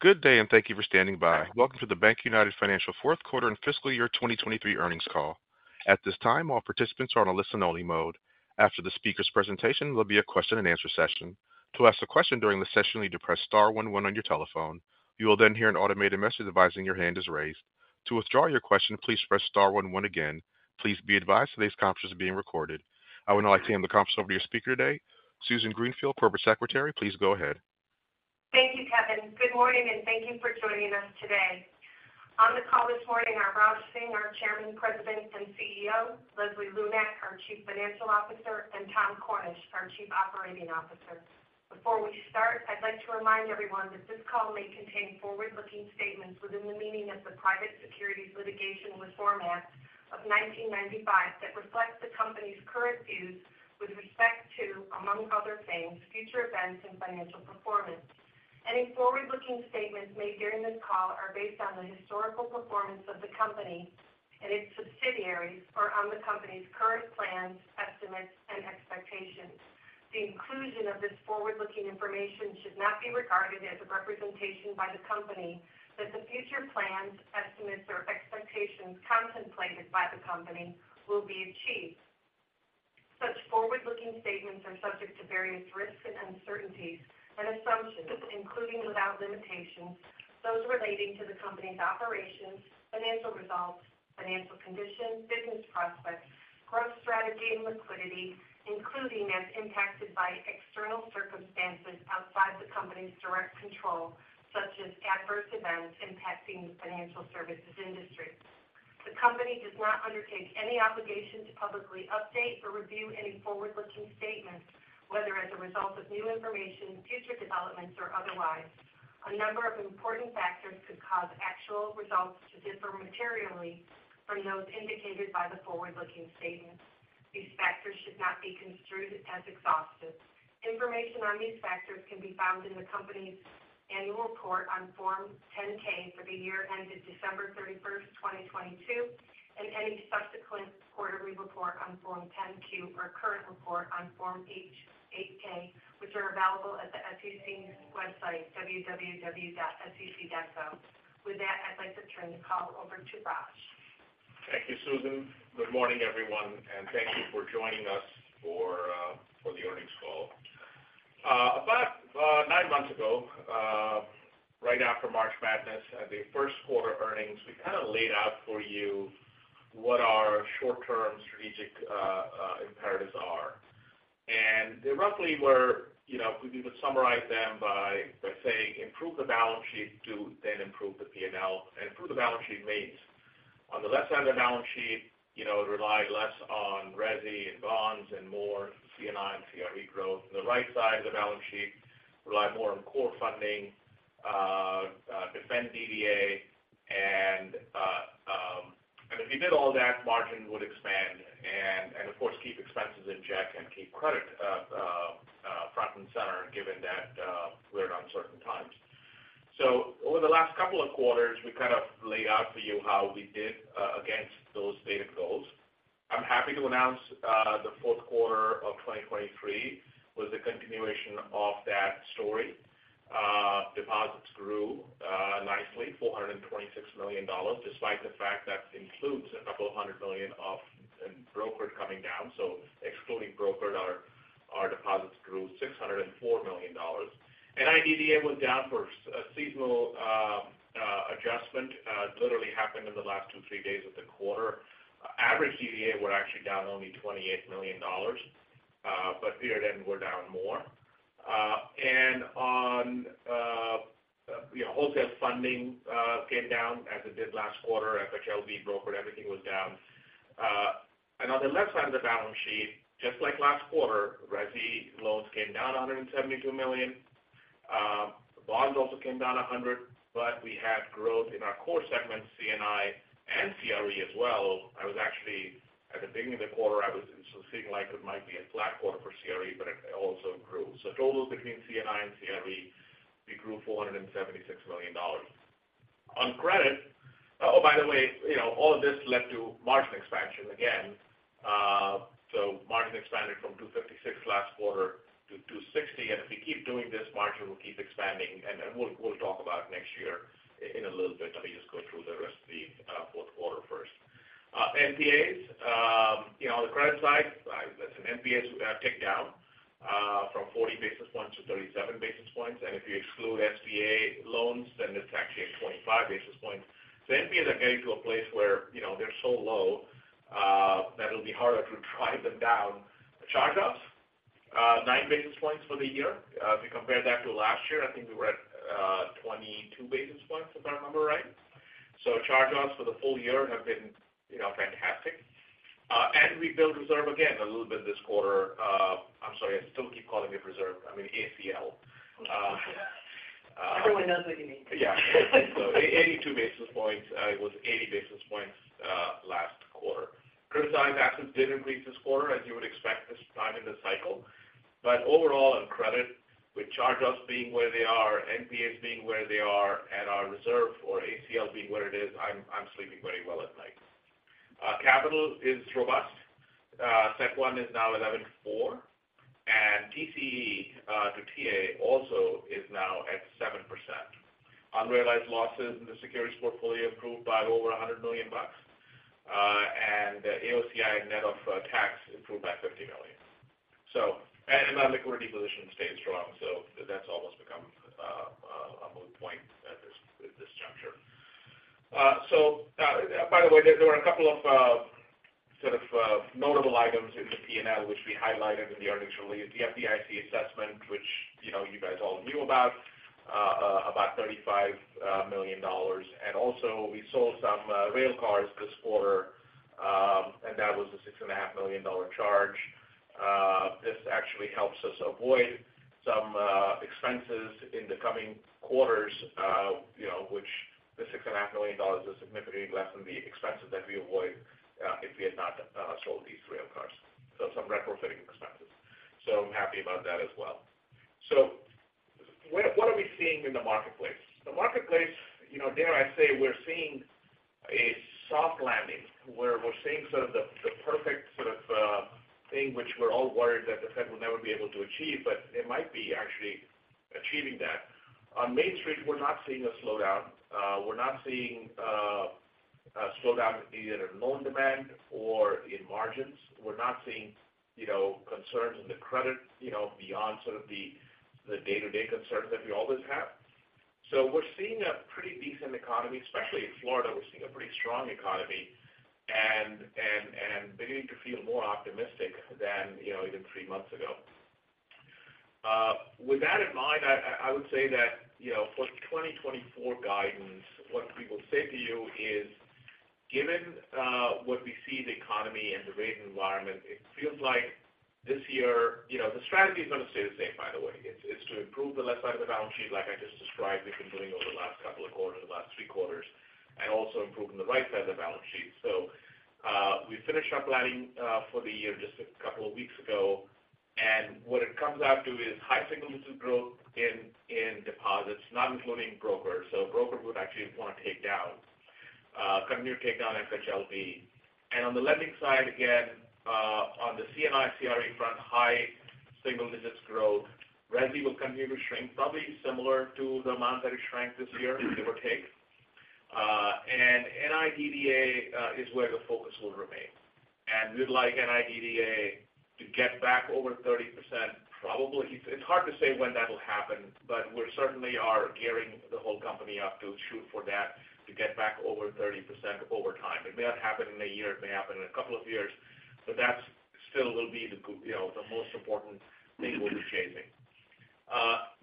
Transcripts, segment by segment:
Good day, and thank you for standing by. Welcome to the BankUnited Q4 and Fiscal Year 2023 Earnings Call. At this time, all participants are on a listen-only mode. After the speaker's presentation, there'll be a question-and-answer session. To ask a question during the session, you need to press star one one on your telephone. You will then hear an automated message advising your hand is raised. To withdraw your question, please press star one one again. Please be advised today's conference is being recorded. I would now like to hand the conference over to your speaker today, Susan Greenfield, Corporate Secretary. Please go ahead. Thank you, Kevin. Good morning, and thank you for joining us today. On the call this morning are Raj Singh, our Chairman, President, and CEO, Leslie Lunak, our Chief Financial Officer, and Tom Cornish, our Chief Operating Officer. Before we start, I'd like to remind everyone that this call may contain forward-looking statements within the meaning of the Private Securities Litigation Reform Act of 1995, that reflects the company's current views with respect to, among other things, future events and financial performance. Any forward-looking statements made during this call are based on the historical performance of the company and its subsidiaries, or on the company's current plans, estimates, and expectations. The inclusion of this forward-looking information should not be regarded as a representation by the company that the future plans, estimates, or expectations contemplated by the company will be achieved. Such forward-looking statements are subject to various risks and uncertainties and assumptions, including without limitation, those relating to the company's operations, financial results, financial condition, business prospects, growth strategy, and liquidity, including as impacted by external circumstances outside the company's direct control, such as adverse events impacting the financial services industry. The company does not undertake any obligation to publicly update or review any forward-looking statements, whether as a result of new information, future developments, or otherwise. A number of important factors could cause actual results to differ materially from those indicated by the forward-looking statements. These factors should not be construed as exhaustive. Information on these factors can be found in the company's annual report on Form 10-K for the year ended December 31, 2022, and any subsequent quarterly report on Form 10-Q or current report on Form 8-K, which are available at the SEC's website, www.sec.gov. With that, I'd like to turn the call over to Raj. Thank you, Susan. Good morning, everyone, and thank you for joining us for the earnings call. About nine months ago, right after March Madness, at the Q1 earnings, we kind of laid out for you what our short-term strategic imperatives are. And they roughly were, you know, we would summarize them by saying, improve the balance sheet to then improve the P&L, and improve the balance sheet means on the left side of the balance sheet, you know, rely less on Resi and bonds and more C&I and CRE growth. On the right side of the balance sheet, rely more on core funding, defend NIB DDA, and if you did all that, margin would expand and of course, keep expenses in check and keep credit front and center, given that we're in uncertain times. So over the last couple of quarters, we kind of laid out for you how we did against those stated goals. I'm happy to announce the Q4 of 2023 was a continuation of that story. Deposits grew nicely, $426 million, despite the fact that includes a couple of hundred million of in brokered coming down. So excluding brokered, our deposits grew $604 million. Resi was down for a seasonal adjustment. It literally happened in the last two, three days of the quarter. Average DDA were actually down only $28 million, but year-end were down more. On wholesale funding came down as it did last quarter, FHLB, brokered, everything was down. On the left side of the balance sheet, just like last quarter, resi loans came down $172 million. Bonds also came down $100 million, but we had growth in our core segments, C&I and CRE as well. I was actually, at the beginning of the quarter, I was seeing like it might be a flat quarter for CRE, but it also grew. So total between C&I and CRE, we grew $476 million. On credit... Oh, by the way, you know, all of this led to margin expansion again. So margin expanded from 256 last quarter to 260, and if we keep doing this, margin will keep expanding, and then we'll talk about next year in a little bit. Let me just go through the rest of the Q4 first. NPAs, you know, on the credit side, NPAs ticked down from 40 basis points to 37 basis points, and if you exclude SBA loans, then it's actually at 25 basis points. The NPAs are getting to a place where, you know, they're so low that it'll be harder to drive them down. Charge-offs nine basis points for the year. If you compare that to last year, I think we were at 22 basis points, if I remember right. So charge-offs for the full year have been, you know, fantastic. And we built reserve again a little bit this quarter. I'm sorry, I still keep calling it reserve. I mean, ACL. Everyone knows what you mean. Yeah. So 82 basis points, it was 80 basis points last quarter. Criticized assets did increase this quarter, as you would expect this time in the cycle. But overall in credit, with charge-offs being where they are, NPAs being where they are, and our reserve or ACL being what it is, I'm, I'm sleeping very well at night. Capital is robust. CET1 is now 11.4, and TCE to TA also is now at 7%. Unrealized losses in the securities portfolio improved by over $100 million, and AOCI net of tax improved by 50 million. So and our liquidity position stays strong, so that's almost become a moot point at this juncture. So, by the way, there were a couple of sort of notable items in the P&L, which we highlighted in the earnings release. The FDIC assessment, which, you know, you guys all knew about, about $35 million. And also we sold some rail cars this quarter, and that was a $6.5 million charge. This actually helps us avoid some expenses in the coming quarters, you know, which the $6.5 million is significantly less than the expenses that we avoid if we had not sold these rail cars. So some retrofitting expenses. So I'm happy about that as well. So what, what are we seeing in the marketplace? The marketplace, you know, dare I say, we're seeing a soft landing, where we're seeing sort of the perfect sort of thing, which we're all worried that the Fed will never be able to achieve, but they might be actually achieving that. On Main Street, we're not seeing a slowdown. We're not seeing a slowdown either in loan demand or in margins. We're not seeing, you know, concerns in the credit, you know, beyond sort of the day-to-day concerns that we always have. So we're seeing a pretty decent economy, especially in Florida, we're seeing a pretty strong economy and beginning to feel more optimistic than, you know, even three months ago. With that in mind, I would say that, you know, for 2024 guidance, what we will say to you is, given what we see in the economy and the rate environment, it feels like this year. You know, the strategy is going to stay the same, by the way. It's to improve the left side of the balance sheet, like I just described, we've been doing over the last couple of quarters, the last three quarters, and also improving the right side of the balance sheet. So, we finished our planning for the year just a couple of weeks ago, and what it comes out to is high single digit growth in deposits, not including brokers. So brokers would actually want to take down, continue to take down FHLB. And on the lending side, again, on the C&I, CRE front, high single digits growth. Resi will continue to shrink, probably similar to the amount that it shrank this year, give or take. And NIDDA is where the focus will remain. And we'd like NIDDA to get back over 30%, probably. It's, it's hard to say when that'll happen, but we certainly are gearing the whole company up to shoot for that, to get back over 30% over time. It may not happen in a year, it may happen in a couple of years, but that still will be the you know, the most important thing we'll be chasing.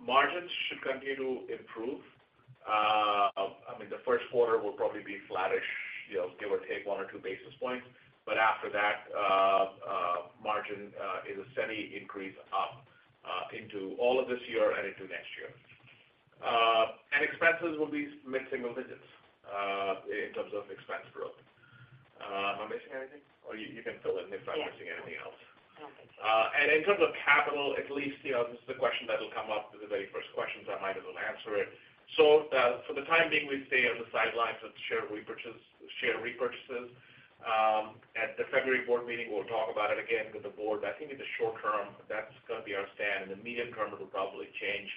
Margins should continue to improve. I mean, the Q1 will probably be flattish, you know, give or take one or two basis points. But after that, margin is a steady increase up into all of this year and into next year. And expenses will be mid-single digits in terms of expense growth. Am I missing anything? Or you can fill in if I'm missing anything else. No, thanks. And in terms of capital, at least, you know, this is a question that will come up, the very first questions, I might as well answer it. So, for the time being, we stay on the sidelines of share repurchase- share repurchases. At the February board meeting, we'll talk about it again with the board. I think in the short term, that's going to be our stand. In the medium term, it will probably change.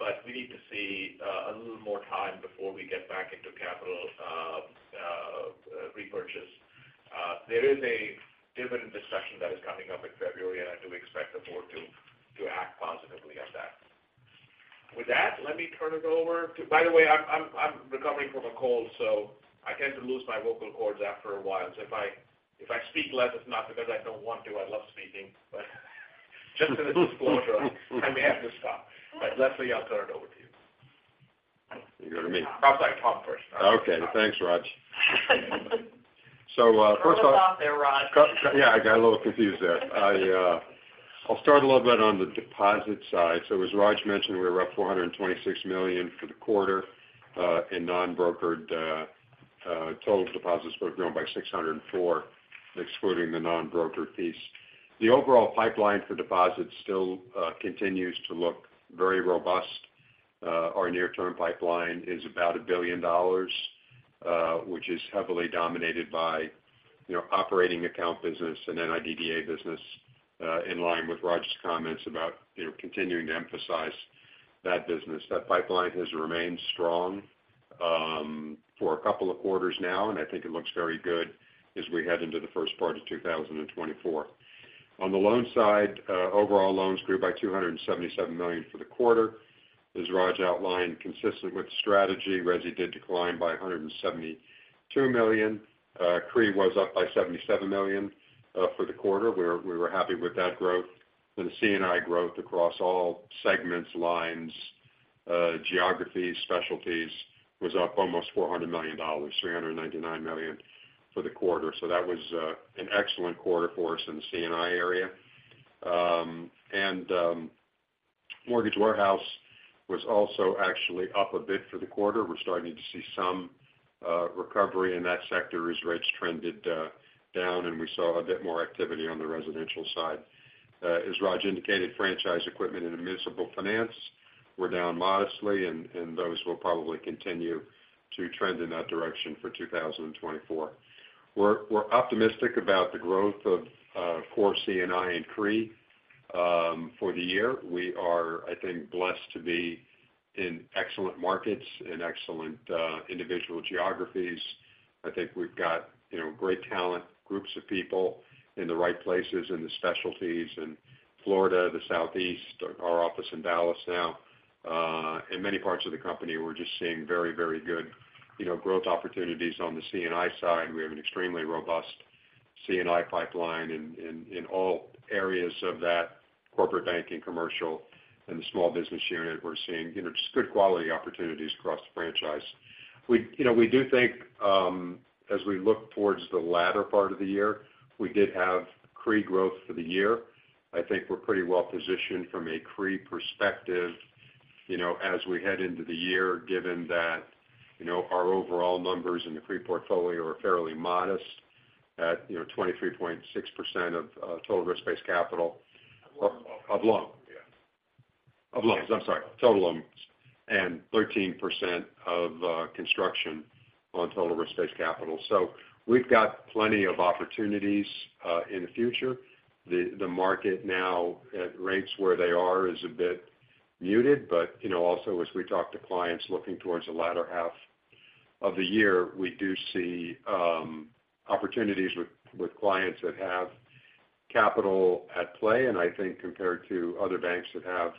But we need to see a little more time before we get back into capital repurchase. There is a dividend discussion that is coming up in February, and I do expect the board to act positively on that. With that, let me turn it over to. By the way, I'm recovering from a cold, so I tend to lose my vocal cords after a while. So if I speak less, it's not because I don't want to. I love speaking, but just as a disclosure, I may have to stop. But Leslie, I'll turn it over to you. You go to me. Perhaps I talk first. Okay. Thanks, Raj. So, first of all- You're off there, Raj. Yeah, I got a little confused there. I, I'll start a little bit on the deposit side. So as Raj mentioned, we're up $426 million for the quarter, in non-brokered, total deposits grew by $604 million, excluding the non-brokered piece. The overall pipeline for deposits still continues to look very robust. Our near-term pipeline is about $1 billion, which is heavily dominated by, you know, operating account business and NIDDA business, in line with Raj's comments about, you know, continuing to emphasize that business. That pipeline has remained strong, for a couple of quarters now, and I think it looks very good as we head into the first part of 2024. On the loan side, overall loans grew by $277 million for the quarter. As Raj outlined, consistent with strategy, Resi did decline by $172 million. CRE was up by $77 million for the quarter. We were happy with that growth. The C&I growth across all segments, lines, geographies, specialties, was up almost $400 million, $399 million for the quarter. So that was an excellent quarter for us in the C&I area. And mortgage warehouse was also actually up a bit for the quarter. We're starting to see some recovery in that sector as rates trended down, and we saw a bit more activity on the residential side. As Raj indicated, franchise equipment and municipal finance were down modestly, and those will probably continue to trend in that direction for 2024. We're optimistic about the growth of core C&I and CRE for the year. We are, I think, blessed to be in excellent markets and excellent individual geographies. I think we've got, you know, great talent, groups of people in the right places, in the specialties, in Florida, the Southeast, our office in Dallas now, in many parts of the company, we're just seeing very, very good, you know, growth opportunities on the C&I side. We have an extremely robust C&I pipeline in all areas of that corporate banking, commercial, and the small business unit. We're seeing, you know, just good quality opportunities across the franchise. We, you know, we do think, as we look towards the latter part of the year, we did have CRE growth for the year. I think we're pretty well positioned from a CRE perspective, you know, as we head into the year, given that, you know, our overall numbers in the CRE portfolio are fairly modest at, you know, 23.6% of total risk-based capital- Of loans. Of loans. Yeah. Of loans, I'm sorry, total loans, and 13% of construction on total risk-based capital. So we've got plenty of opportunities in the future. The market now at rates where they are is a bit muted, but, you know, also, as we talk to clients looking towards the latter half of the year, we do see opportunities with clients that have capital at play. And I think compared to other banks that have,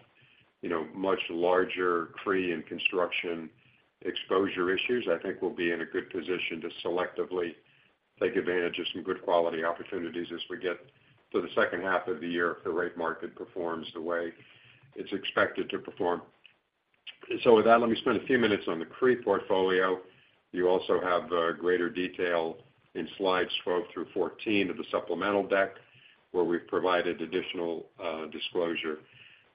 you know, much larger CRE and construction exposure issues, I think we'll be in a good position to selectively take advantage of some good quality opportunities as we get to the second half of the year if the rate market performs the way it's expected to perform. So with that, let me spend a few minutes on the CRE portfolio. You also have greater detail in slides 12 through 14 of the supplemental deck, where we've provided additional disclosure.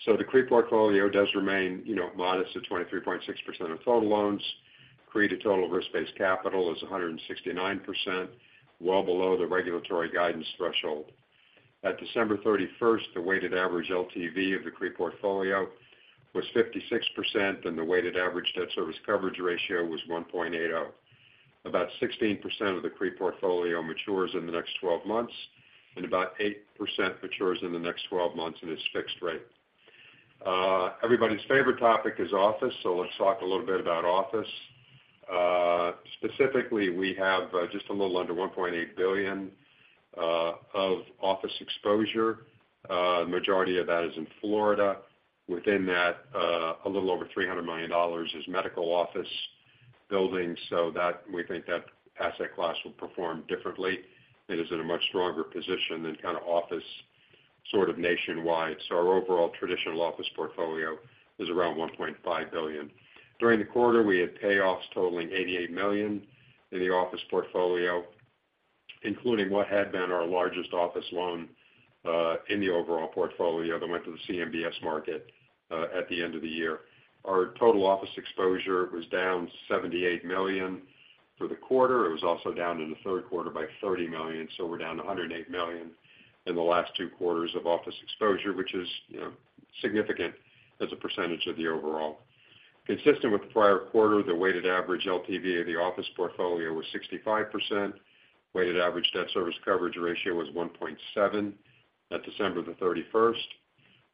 So the CRE portfolio does remain, you know, modest at 23.6% of total loans. CRE to total risk-based capital is 169%, well below the regulatory guidance threshold. At December thirty-first, the weighted average LTV of the CRE portfolio was 56%, and the weighted average debt service coverage ratio was 1.80. About 16% of the CRE portfolio matures in the next 12 months, and about 8% matures in the next 12 months and is fixed rate. Everybody's favorite topic is office, so let's talk a little bit about office. Specifically, we have just a little under $1.8 billion of office exposure. Majority of that is in Florida. Within that, a little over $300 million is medical office buildings, so that, we think that asset class will perform differently. It is in a much stronger position than kind of office, sort of nationwide. So our overall traditional office portfolio is around $1.5 billion. During the quarter, we had payoffs totaling $88 million in the office portfolio, including what had been our largest office loan in the overall portfolio that went to the CMBS market at the end of the year. Our total office exposure was down $78 million for the quarter. It was also down in the third quarter by $30 million, so we're down $108 million in the last two quarters of office exposure, which is, you know, significant as a percentage of the overall. Consistent with the prior quarter, the weighted average LTV of the office portfolio was 65%. Weighted average debt service coverage ratio was 1.7 at 31 December.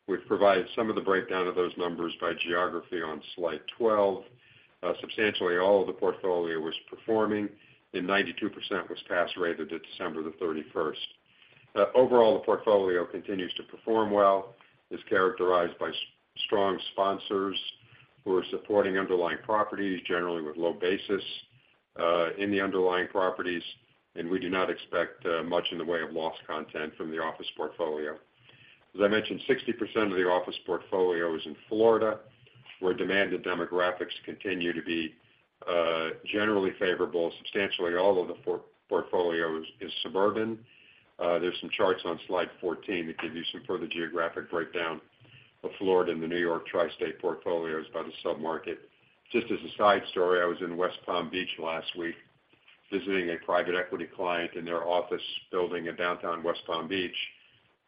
We've provided some of the breakdown of those numbers by geography on slide 12. Substantially all of the portfolio was performing, and 92% was pass rated at 31 December. Overall, the portfolio continues to perform well, is characterized by strong sponsors who are supporting underlying properties, generally with low basis in the underlying properties, and we do not expect much in the way of loss content from the office portfolio. As I mentioned, 60% of the office portfolio is in Florida, where demand and demographics continue to be generally favorable. Substantially all of the portfolio is suburban. There's some charts on slide 14 that give you some further geographic breakdown of Florida and the New York Tri-State portfolios by the sub-market. Just as a side story, I was in West Palm Beach last week, visiting a private equity client in their office building in downtown West Palm Beach.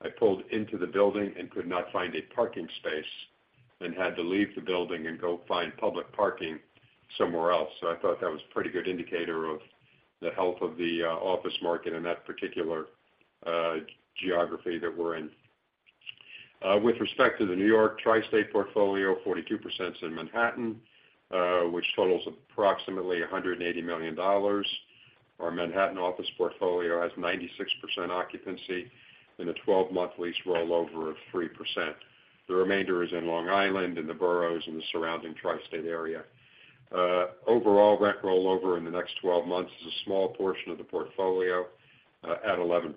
I pulled into the building and could not find a parking space, and had to leave the building and go find public parking somewhere else. So I thought that was a pretty good indicator of the health of the office market in that particular geography that we're in. With respect to the New York Tri-State portfolio, 42% is in Manhattan, which totals approximately $180 million. Our Manhattan office portfolio has 96% occupancy and a 12-month lease rollover of 3%. The remainder is in Long Island, in the Boroughs, and the surrounding Tri-State area. Overall, rent rollover in the next 12 months is a small portion of the portfolio, at 11%.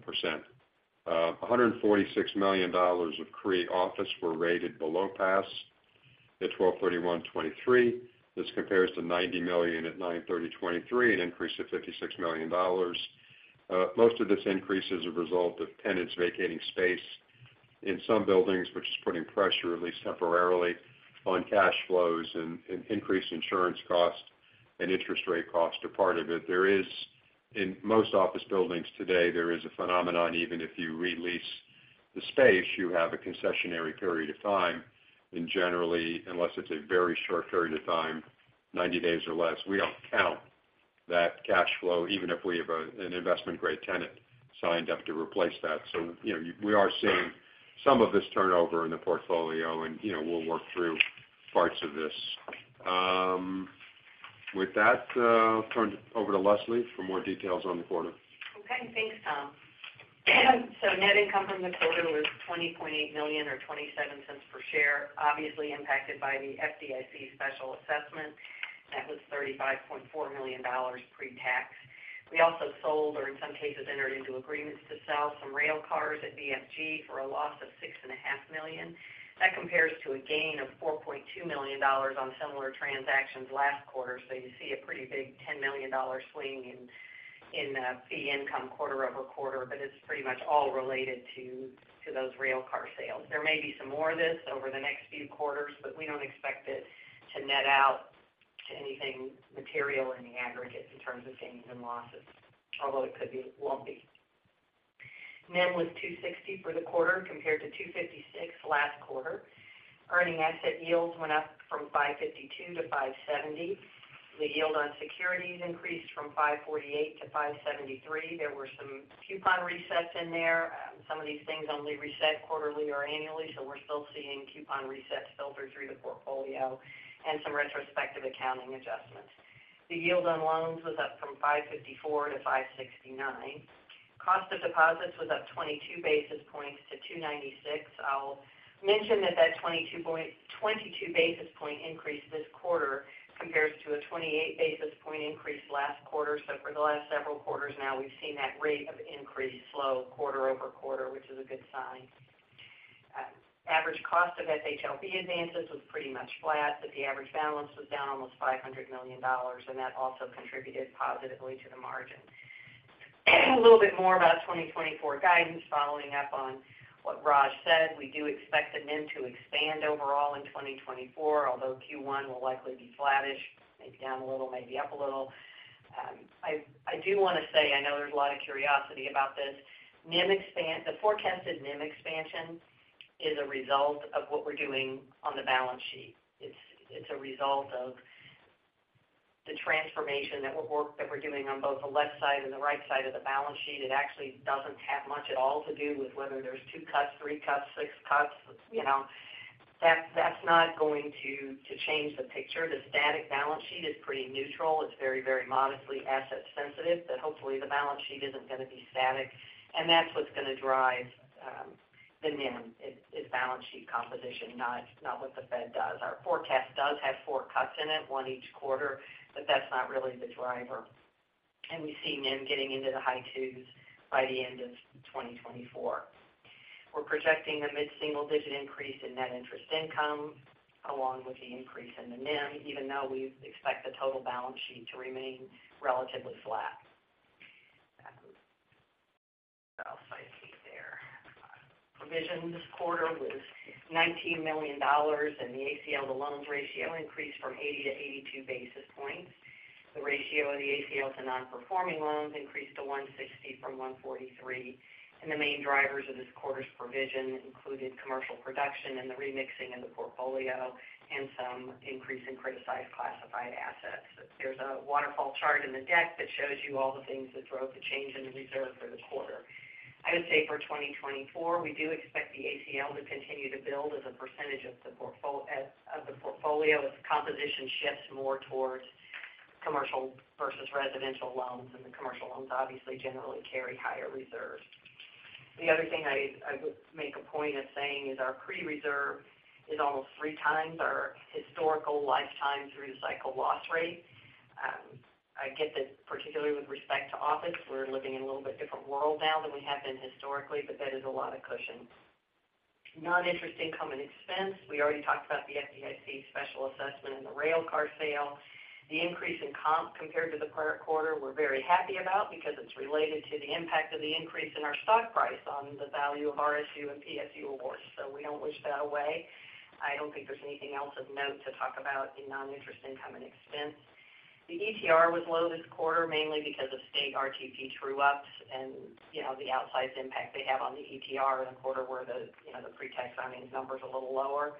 $146 million of CRE office were rated below pass at 12/31/2023. This compares to $90 million at 9/30/2023, an increase of $56 million. Most of this increase is a result of tenants vacating space in some buildings, which is putting pressure, at least temporarily, on cash flows and increased insurance costs, and interest rate costs are part of it. There is, in most office buildings today, there is a phenomenon, even if you re-lease the space, you have a concessionary period of time. Generally, unless it's a very short period of time, 90 days or less, we don't count that cash flow, even if we have an investment-grade tenant signed up to replace that. So, you know, we are seeing some of this turnover in the portfolio, and, you know, we'll work through parts of this. With that, I'll turn it over to Leslie for more details on the quarter. Okay, thanks, Tom. So net income from the quarter was $20.8 million or 0.27 per share, obviously impacted by the FDIC special assessment. That was $35.4 million pre-tax. We also sold, or in some cases, entered into agreements to sell some rail cars at BFG for a loss of $6.5 million. That compares to a gain of $4.2 million on similar transactions last quarter. So you see a pretty big $10 million swing in fee income quarter-over-quarter, but it's pretty much all related to those rail car sales. There may be some more of this over the next few quarters, but we don't expect it to net out to anything material in the aggregate in terms of gains and losses, although it could be, it won't be. NIM was 2.60% for the quarter, compared to 2.56% last quarter. Earning asset yields went up from 5.52% to 5.70%. The yield on securities increased from 5.48% to 5.73%. There were some coupon resets in there. Some of these things only reset quarterly or annually, so we're still seeing coupon resets filter through the portfolio and some retrospective accounting adjustments. The yield on loans was up from 5.54% to 5.69%. Cost of deposits was up 22 basis points to 2.96%. I'll mention that that 22 basis point increase this quarter compares to a 28 basis point increase last quarter. So for the last several quarters now, we've seen that rate of increase slow quarter over quarter, which is a good sign. Average cost of FHLB advances was pretty much flat, but the average balance was down almost $500 million, and that also contributed positively to the margin. A little bit more about 2024 guidance. Following up on what Raj said, we do expect the NIM to expand overall in 2024, although Q1 will likely be flattish, maybe down a little, maybe up a little. I, I do want to say, I know there's a lot of curiosity about this. The forecasted NIM expansion is a result of what we're doing on the balance sheet. It's, it's a result of the transformation that we're doing on both the left side and the right side of the balance sheet. It actually doesn't have much at all to do with whether there's two cuts, three cuts, six cuts. You know, that, that's not going to, to change the picture. The static balance sheet is pretty neutral. It's very, very modestly asset sensitive, but hopefully, the balance sheet isn't going to be static, and that's what's going to drive the NIM. It, it's balance sheet composition, not, not what the Fed does. Our forecast does have four cuts in it, one each quarter, but that's not really the driver. And we see NIM getting into the high 2s by the end of 2024. We're projecting a mid-single-digit increase in net interest income, along with the increase in the NIM, even though we expect the total balance sheet to remain relatively flat. What else do I see there? Provision this quarter was $19 million, and the ACL to loans ratio increased from 80-82 basis points. The ratio of the ACL to non-performing loans increased to 160 from 143, and the main drivers of this quarter's provision included commercial production and the remixing in the portfolio and some increase in criticized classified assets. There's a waterfall chart in the deck that shows you all the things that drove the change in the reserve for the quarter. I would say for 2024, we do expect the ACL to continue to build as a percentage of the portfolio as the composition shifts more towards commercial versus residential loans, and the commercial loans obviously generally carry higher reserves. The other thing I would make a point of saying is our provision is almost three times our historical lifetime through-cycle loss rate. I get that, particularly with respect to office, we're living in a little bit different world now than we have been historically, but that is a lot of cushion. Non-interest income and expense, we already talked about the FDIC special assessment and the rail car sale. The increase in comp, compared to the prior quarter, we're very happy about because it's related to the impact of the increase in our stock price on the value of RSU and PSU awards. So we don't wish that away. I don't think there's anything else of note to talk about in non-interest income and expense. The ETR was low this quarter, mainly because of state RTP true-ups, and, you know, the outsized impact they have on the ETR in a quarter where the, you know, the pre-tax earnings number is a little lower.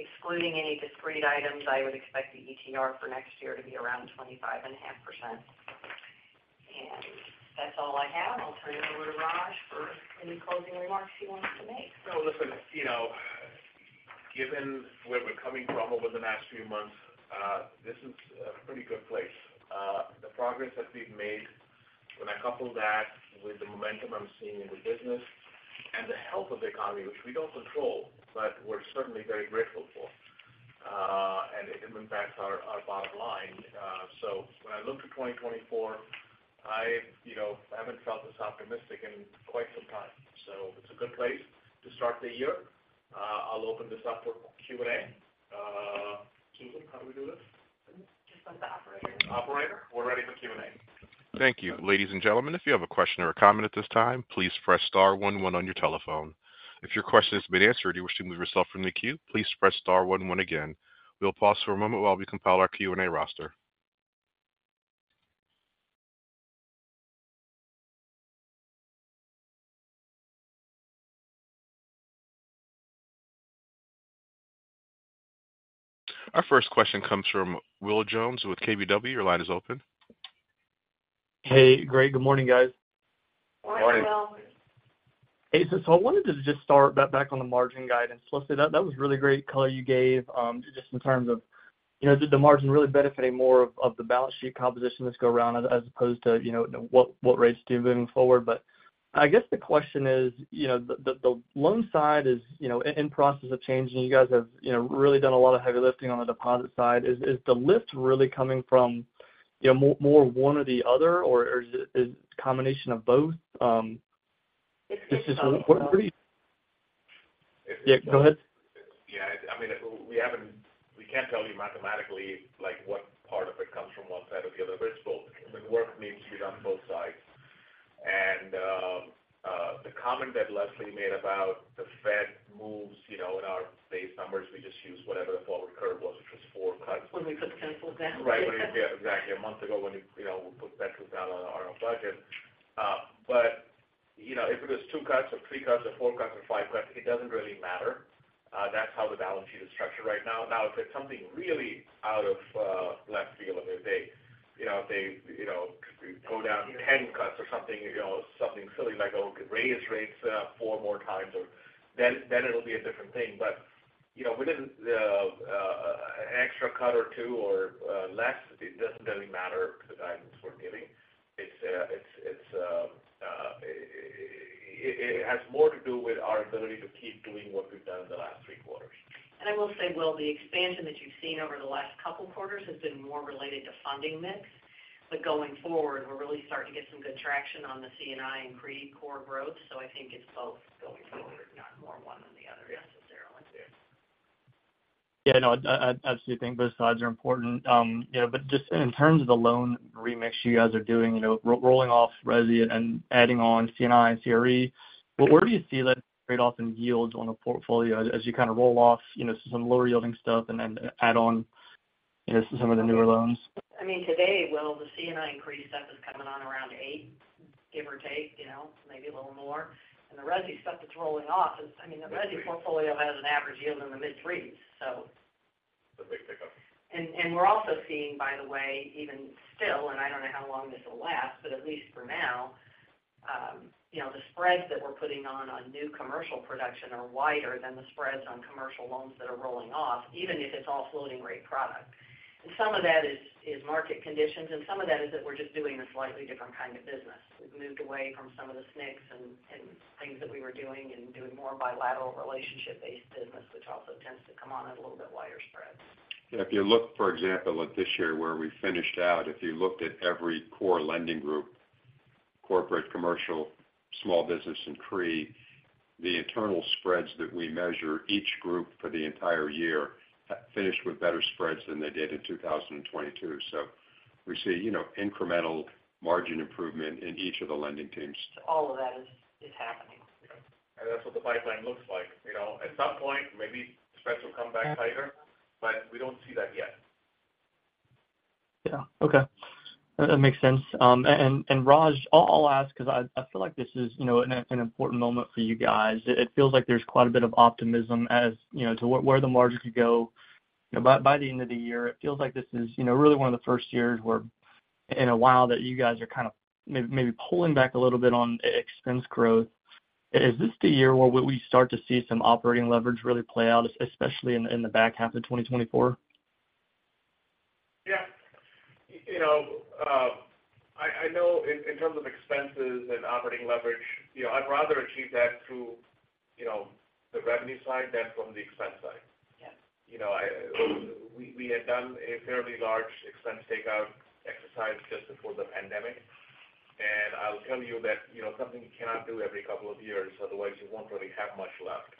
Excluding any discrete items, I would expect the ETR for next year to be around 25.5%. That's all I have. I'll turn it over to Raj for any closing remarks he wants to make. No, listen, you know, given where we're coming from over the last few months, this is a pretty good place. The progress that we've made, when I couple that with the momentum I'm seeing in the business and the health of the economy, which we don't control, but we're certainly very grateful for, and it impacts our, our bottom line. So when I look to 2024, you know, I haven't felt this optimistic in quite some time, so it's a good place to start the year. I'll open this up for Q&A. Kevin, how do we do this? Just let the operator know. Operator, we're ready for Q&A. Thank you. Ladies and gentlemen, if you have a question or a comment at this time, please press star one one on your telephone. If your question has been answered and you wish to move yourself from the queue, please press star one one again. We'll pause for a moment while we compile our Q&A roster. Our first question comes from Will Jones with KBW. Your line is open. Hey, great. Good morning, guys. Good morning, Will. Hey, so I wanted to just start back on the margin guidance. Leslie, that was really great color you gave, just in terms of, you know, did the margin really benefiting more of the balance sheet composition this go around as opposed to, you know, what rates do moving forward? But I guess the question is, you know, the loan side is, you know, in process of changing. You guys have, you know, really done a lot of heavy lifting on the deposit side. Is the lift really coming from, you know, more one or the other, or is it a combination of both? This is important for you. Yeah, go ahead. Yeah, I mean, we can't tell you mathematically, like, what part of it comes from one side or the other, but it's both. The work needs to be done on both sides. The comment that Leslie made about the Fed moves, you know, in our base numbers, we just use whatever the forward curve was, which was four cuts. When we put the pencil down. Right, yeah, exactly. A month ago, when we, you know, put pencils down on our budget. But, you know, if it was two cuts or three cuts or four cuts or five cuts, it doesn't really matter. That's how the balance sheet is structured right now. Now, if it's something really out of left field, if they, you know, if they, you know, go down 10 cuts or something, you know, something silly, like, oh, raise rates four more times, or then, then it'll be a different thing. But, you know, within the extra cut or two or less, it doesn't really matter to the guidance we're giving. It's it has more to do with our ability to keep doing what we've done in the last three quarters. I will say, Will, the expansion that you've seen over the last couple of quarters has been more related to funding mix. But going forward, we're really starting to get some good traction on the C&I and CRE core growth. So I think it's both going forward, not more one than the other necessarily. Yeah, no, I absolutely think both sides are important. You know, but just in terms of the loan remix you guys are doing, you know, rolling off resi and adding on C&I and CRE, where do you see that trade-off in yields on the portfolio as you kind of roll off, you know, some lower yielding stuff and then add on, you know, some of the newer loans? I mean, today, Will, the C&I increase stuff is coming on around eight, give or take, you know, maybe a little more. And the resi stuff that's rolling off is, I mean, the resi portfolio has an average yield in the mid-3s, so. The big pickup. We're also seeing, by the way, even still, and I don't know how long this will last, but at least for now, you know, the spreads that we're putting on new commercial production are wider than the spreads on commercial loans that are rolling off, even if it's all floating rate product. And some of that is market conditions, and some of that is that we're just doing a slightly different kind of business. We've moved away from some of the SNICs and things that we were doing and doing more bilateral relationship-based business, which also tends to come on at a little bit wider spreads. If you look, for example, at this year where we finished out, if you looked at every core lending group, corporate, commercial, small business and CRE, the internal spreads that we measure each group for the entire year, finished with better spreads than they did in 2022. So we see, you know, incremental margin improvement in each of the lending teams. All of that is, is happening. That's what the pipeline looks like. You know, at some point, maybe spreads will come back tighter, but we don't see that yet. Yeah. Okay, that makes sense. And Raj, I'll ask because I feel like this is, you know, an important moment for you guys. It feels like there's quite a bit of optimism as, you know, to where the margins could go, you know, by the end of the year. It feels like this is, you know, really one of the first years where in a while that you guys are kind of maybe pulling back a little bit on expense growth. Is this the year where we start to see some operating leverage really play out, especially in the back half of 2024? Yeah. You know, I know in terms of expenses and operating leverage, you know, I'd rather achieve that through, you know, the revenue side than from the expense side. Yes. You know, we had done a fairly large expense takeout exercise just before the pandemic, and I'll tell you that, you know, something you cannot do every couple of years, otherwise you won't really have much left.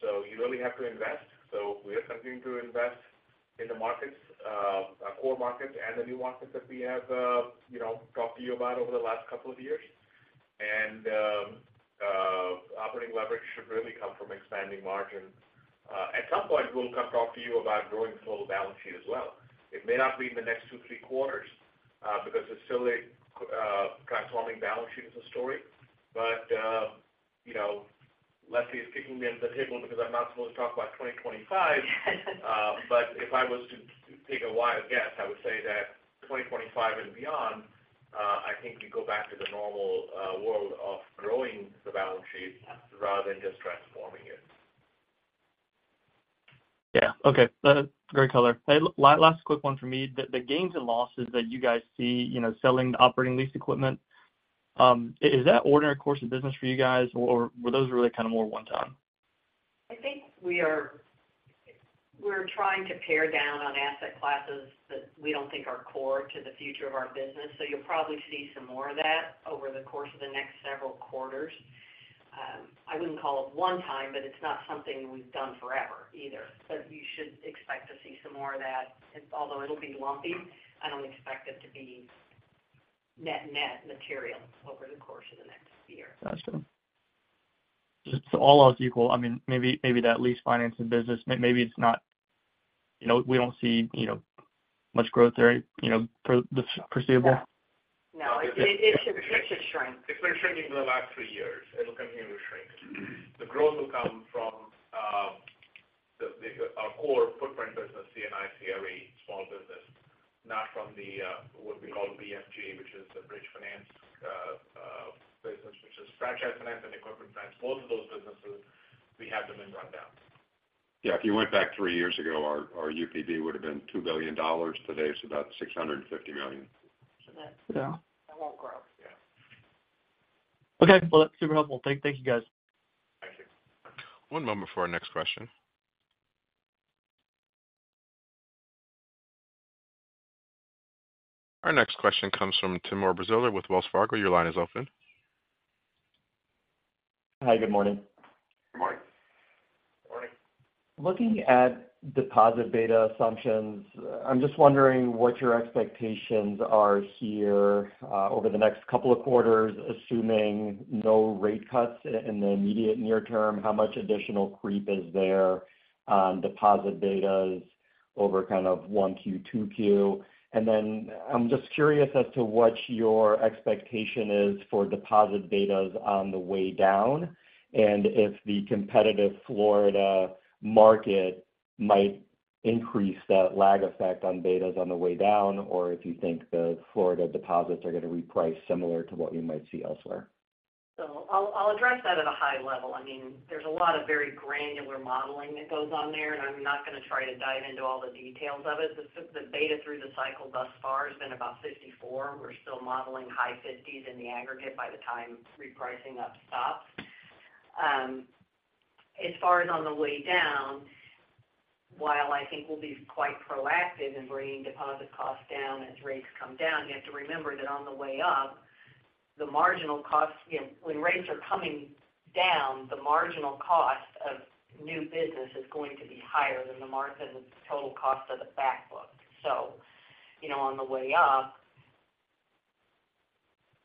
So you really have to invest. So we are continuing to invest in the markets, our core markets and the new markets that we have, you know, talked to you about over the last couple of years. And operating leverage should really come from expanding margin. At some point, we'll come talk to you about growing total balance sheet as well. It may not be in the next two, three quarters, because it's still a transforming balance sheet is a story. But, you know, Leslie is kicking me under the table because I'm not supposed to talk about 2025. If I was to take a wild guess, I would say that 2025 and beyond, I think you go back to the normal world of growing the balance sheet rather than just transforming it. Yeah. Okay. Great color. Last quick one for me. The gains and losses that you guys see, you know, selling the operating lease equipment, is that ordinary course of business for you guys, or were those really kind of more one time? I think we are, we're trying to pare down on asset classes that we don't think are core to the future of our business, so you'll probably see some more of that over the course of the next several quarters... I wouldn't call it one time, but it's not something we've done forever either. But you should expect to see some more of that. Although it'll be lumpy, I don't expect it to be net, net material over the course of the next year. Got you. So all else equal, I mean, maybe that lease financing business, maybe it's not, you know, we don't see, you know, much growth there, you know, for the foreseeable? Yeah. No, it should shrink. It's been shrinking for the last three years. It'll continue to shrink. The growth will come from our core footprint business, C&I, CRE, small business, not from what we call BFG, which is the bridge finance business, which is franchise finance and equipment finance. Both of those businesses, we have them in rundown. Yeah, if you went back three years ago, our UPB would have been $2 billion. Today, it's about $650 million. So that- Yeah. It won't grow. Yeah. Okay, well, that's super helpful. Thank you, guys. Thank you. One moment before our next question. Our next question comes from Timur Braziler with Wells Fargo. Your line is open. Hi, good morning. Good morning. Morning. Looking at deposit beta assumptions, I'm just wondering what your expectations are here, over the next couple of quarters, assuming no rate cuts in the immediate near term, how much additional creep is there on deposit betas over kind of Q1, Q2? And then I'm just curious as to what your expectation is for deposit betas on the way down, and if the competitive Florida market might increase that lag effect on betas on the way down, or if you think the Florida deposits are going to reprice similar to what you might see elsewhere. So I'll address that at a high level. I mean, there's a lot of very granular modeling that goes on there, and I'm not going to try to dive into all the details of it. The beta through the cycle thus far has been about 54. We're still modeling high 50s in the aggregate by the time repricing up stops. As far as on the way down, while I think we'll be quite proactive in bringing deposit costs down as rates come down, you have to remember that on the way up, the marginal cost, you know, when rates are coming down, the marginal cost of new business is going to be higher than the total cost of the backbook. So you know, on the way up,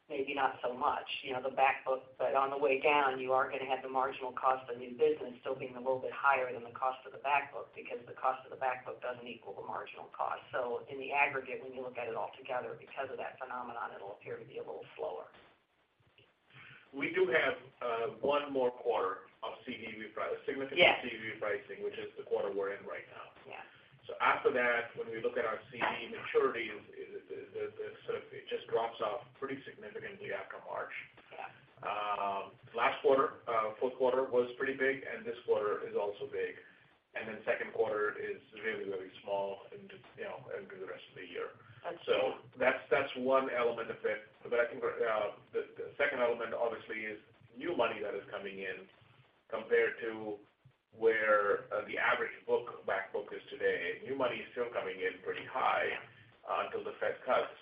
maybe not so much, you know, the backbook, but on the way down, you are going to have the marginal cost of new business still being a little bit higher than the cost of the backbook, because the cost of the backbook doesn't equal the marginal cost. So in the aggregate, when you look at it all together, because of that phenomenon, it'll appear to be a little slower. We do have one more quarter of CD repricing- Yes significant CD repricing, which is the quarter we're in right now. Yeah. So after that, when we look at our CD maturities, so it just drops off pretty significantly after March. Yeah. Last quarter, Q4 was pretty big, and this quarter is also big. And then second quarter is really, really small and just, you know, and through the rest of the year. That's it. So that's, that's one element of it. But I think the second element, obviously, is new money that is coming in compared to where the average back book is today. New money is still coming in pretty high until the Fed cuts.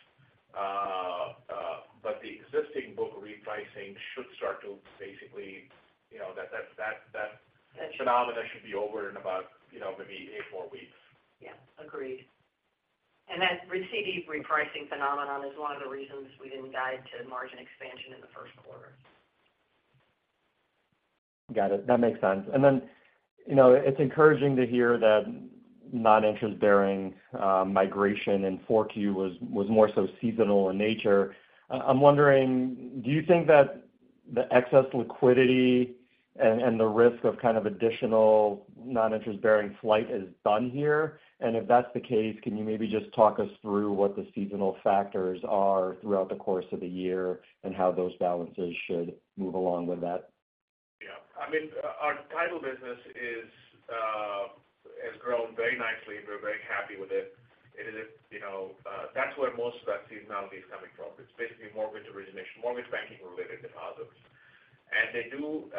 But the existing book repricing should start to basically, you know, that phenomenon should be over in about, you know, maybe eight more weeks. Yeah, agreed. That CD repricing phenomenon is one of the reasons we didn't guide to margin expansion in Q1. Got it. That makes sense. And then, you know, it's encouraging to hear that non-interest-bearing migration in Q4 was more so seasonal in nature. I'm wondering, do you think that the excess liquidity and the risk of kind of additional non-interest-bearing flight is done here? And if that's the case, can you maybe just talk us through what the seasonal factors are throughout the course of the year and how those balances should move along with that? Yeah. I mean, our title business is, has grown very nicely. We're very happy with it. It is, you know, that's where most of that seasonality is coming from. It's basically mortgage origination, mortgage banking-related deposits. And they do,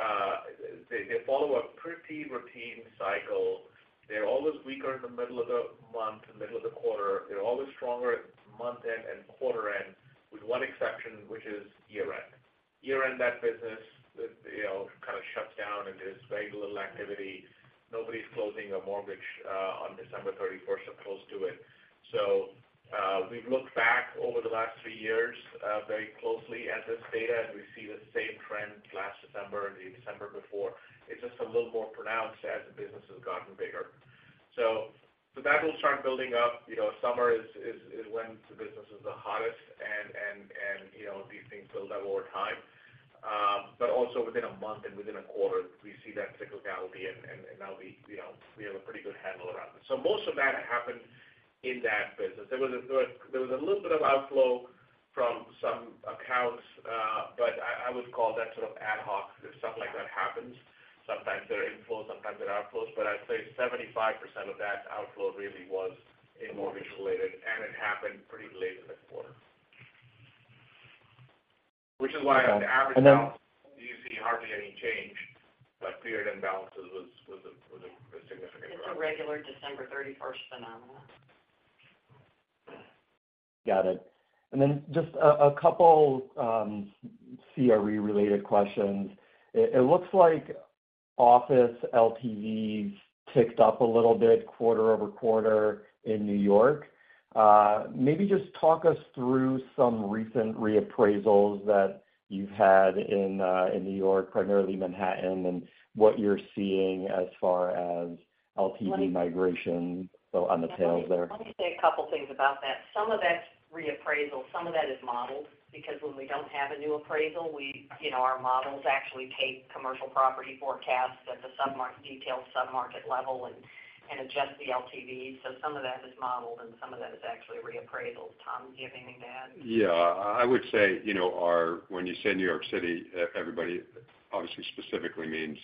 they, they follow a pretty routine cycle. They're always weaker in the middle of the month, middle of the quarter. They're always stronger at month-end and quarter-end, with one exception, which is year-end. Year-end, that business, you know, kind of shuts down and there's very little activity. Nobody's closing a mortgage, on 31 December or close to it. So, we've looked back over the last three years, very closely at this data, and we see the same trend last December and the December before. It's just a little more pronounced as the business has gotten bigger. So, so that will start building up. You know, summer is when the business is the hottest and you know, these things build up over time. But also within a month and within a quarter, we see that cyclicality and now we, you know, we have a pretty good handle around it. So most of that happened in that business. There was a little bit of outflow from some accounts, but I would call that sort of ad hoc. If stuff like that happens, sometimes they're inflows, sometimes they're outflows, but I'd say 75% of that outflow really was mortgage-related, and it happened pretty late in the quarter. Which is why on the average, you see hardly any change, but period end balances was a significant- It's a regular December thirty-first phenomenon. ... Got it. And then just a couple CRE related questions. It looks like office LTVs ticked up a little bit quarter-over-quarter in New York. Maybe just talk us through some recent reappraisals that you've had in New York, primarily Manhattan, and what you're seeing as far as LTV migration, so on the tails there. Let me say a couple things about that. Some of that's reappraisal, some of that is modeled, because when we don't have a new appraisal, we, you know, our models actually take commercial property forecasts at the submarket, detailed submarket level and, and adjust the LTV. So some of that is modeled, and some of that is actually reappraisal. Tom, do you have anything to add? Yeah. I would say, you know, our – when you say New York City, everybody obviously specifically means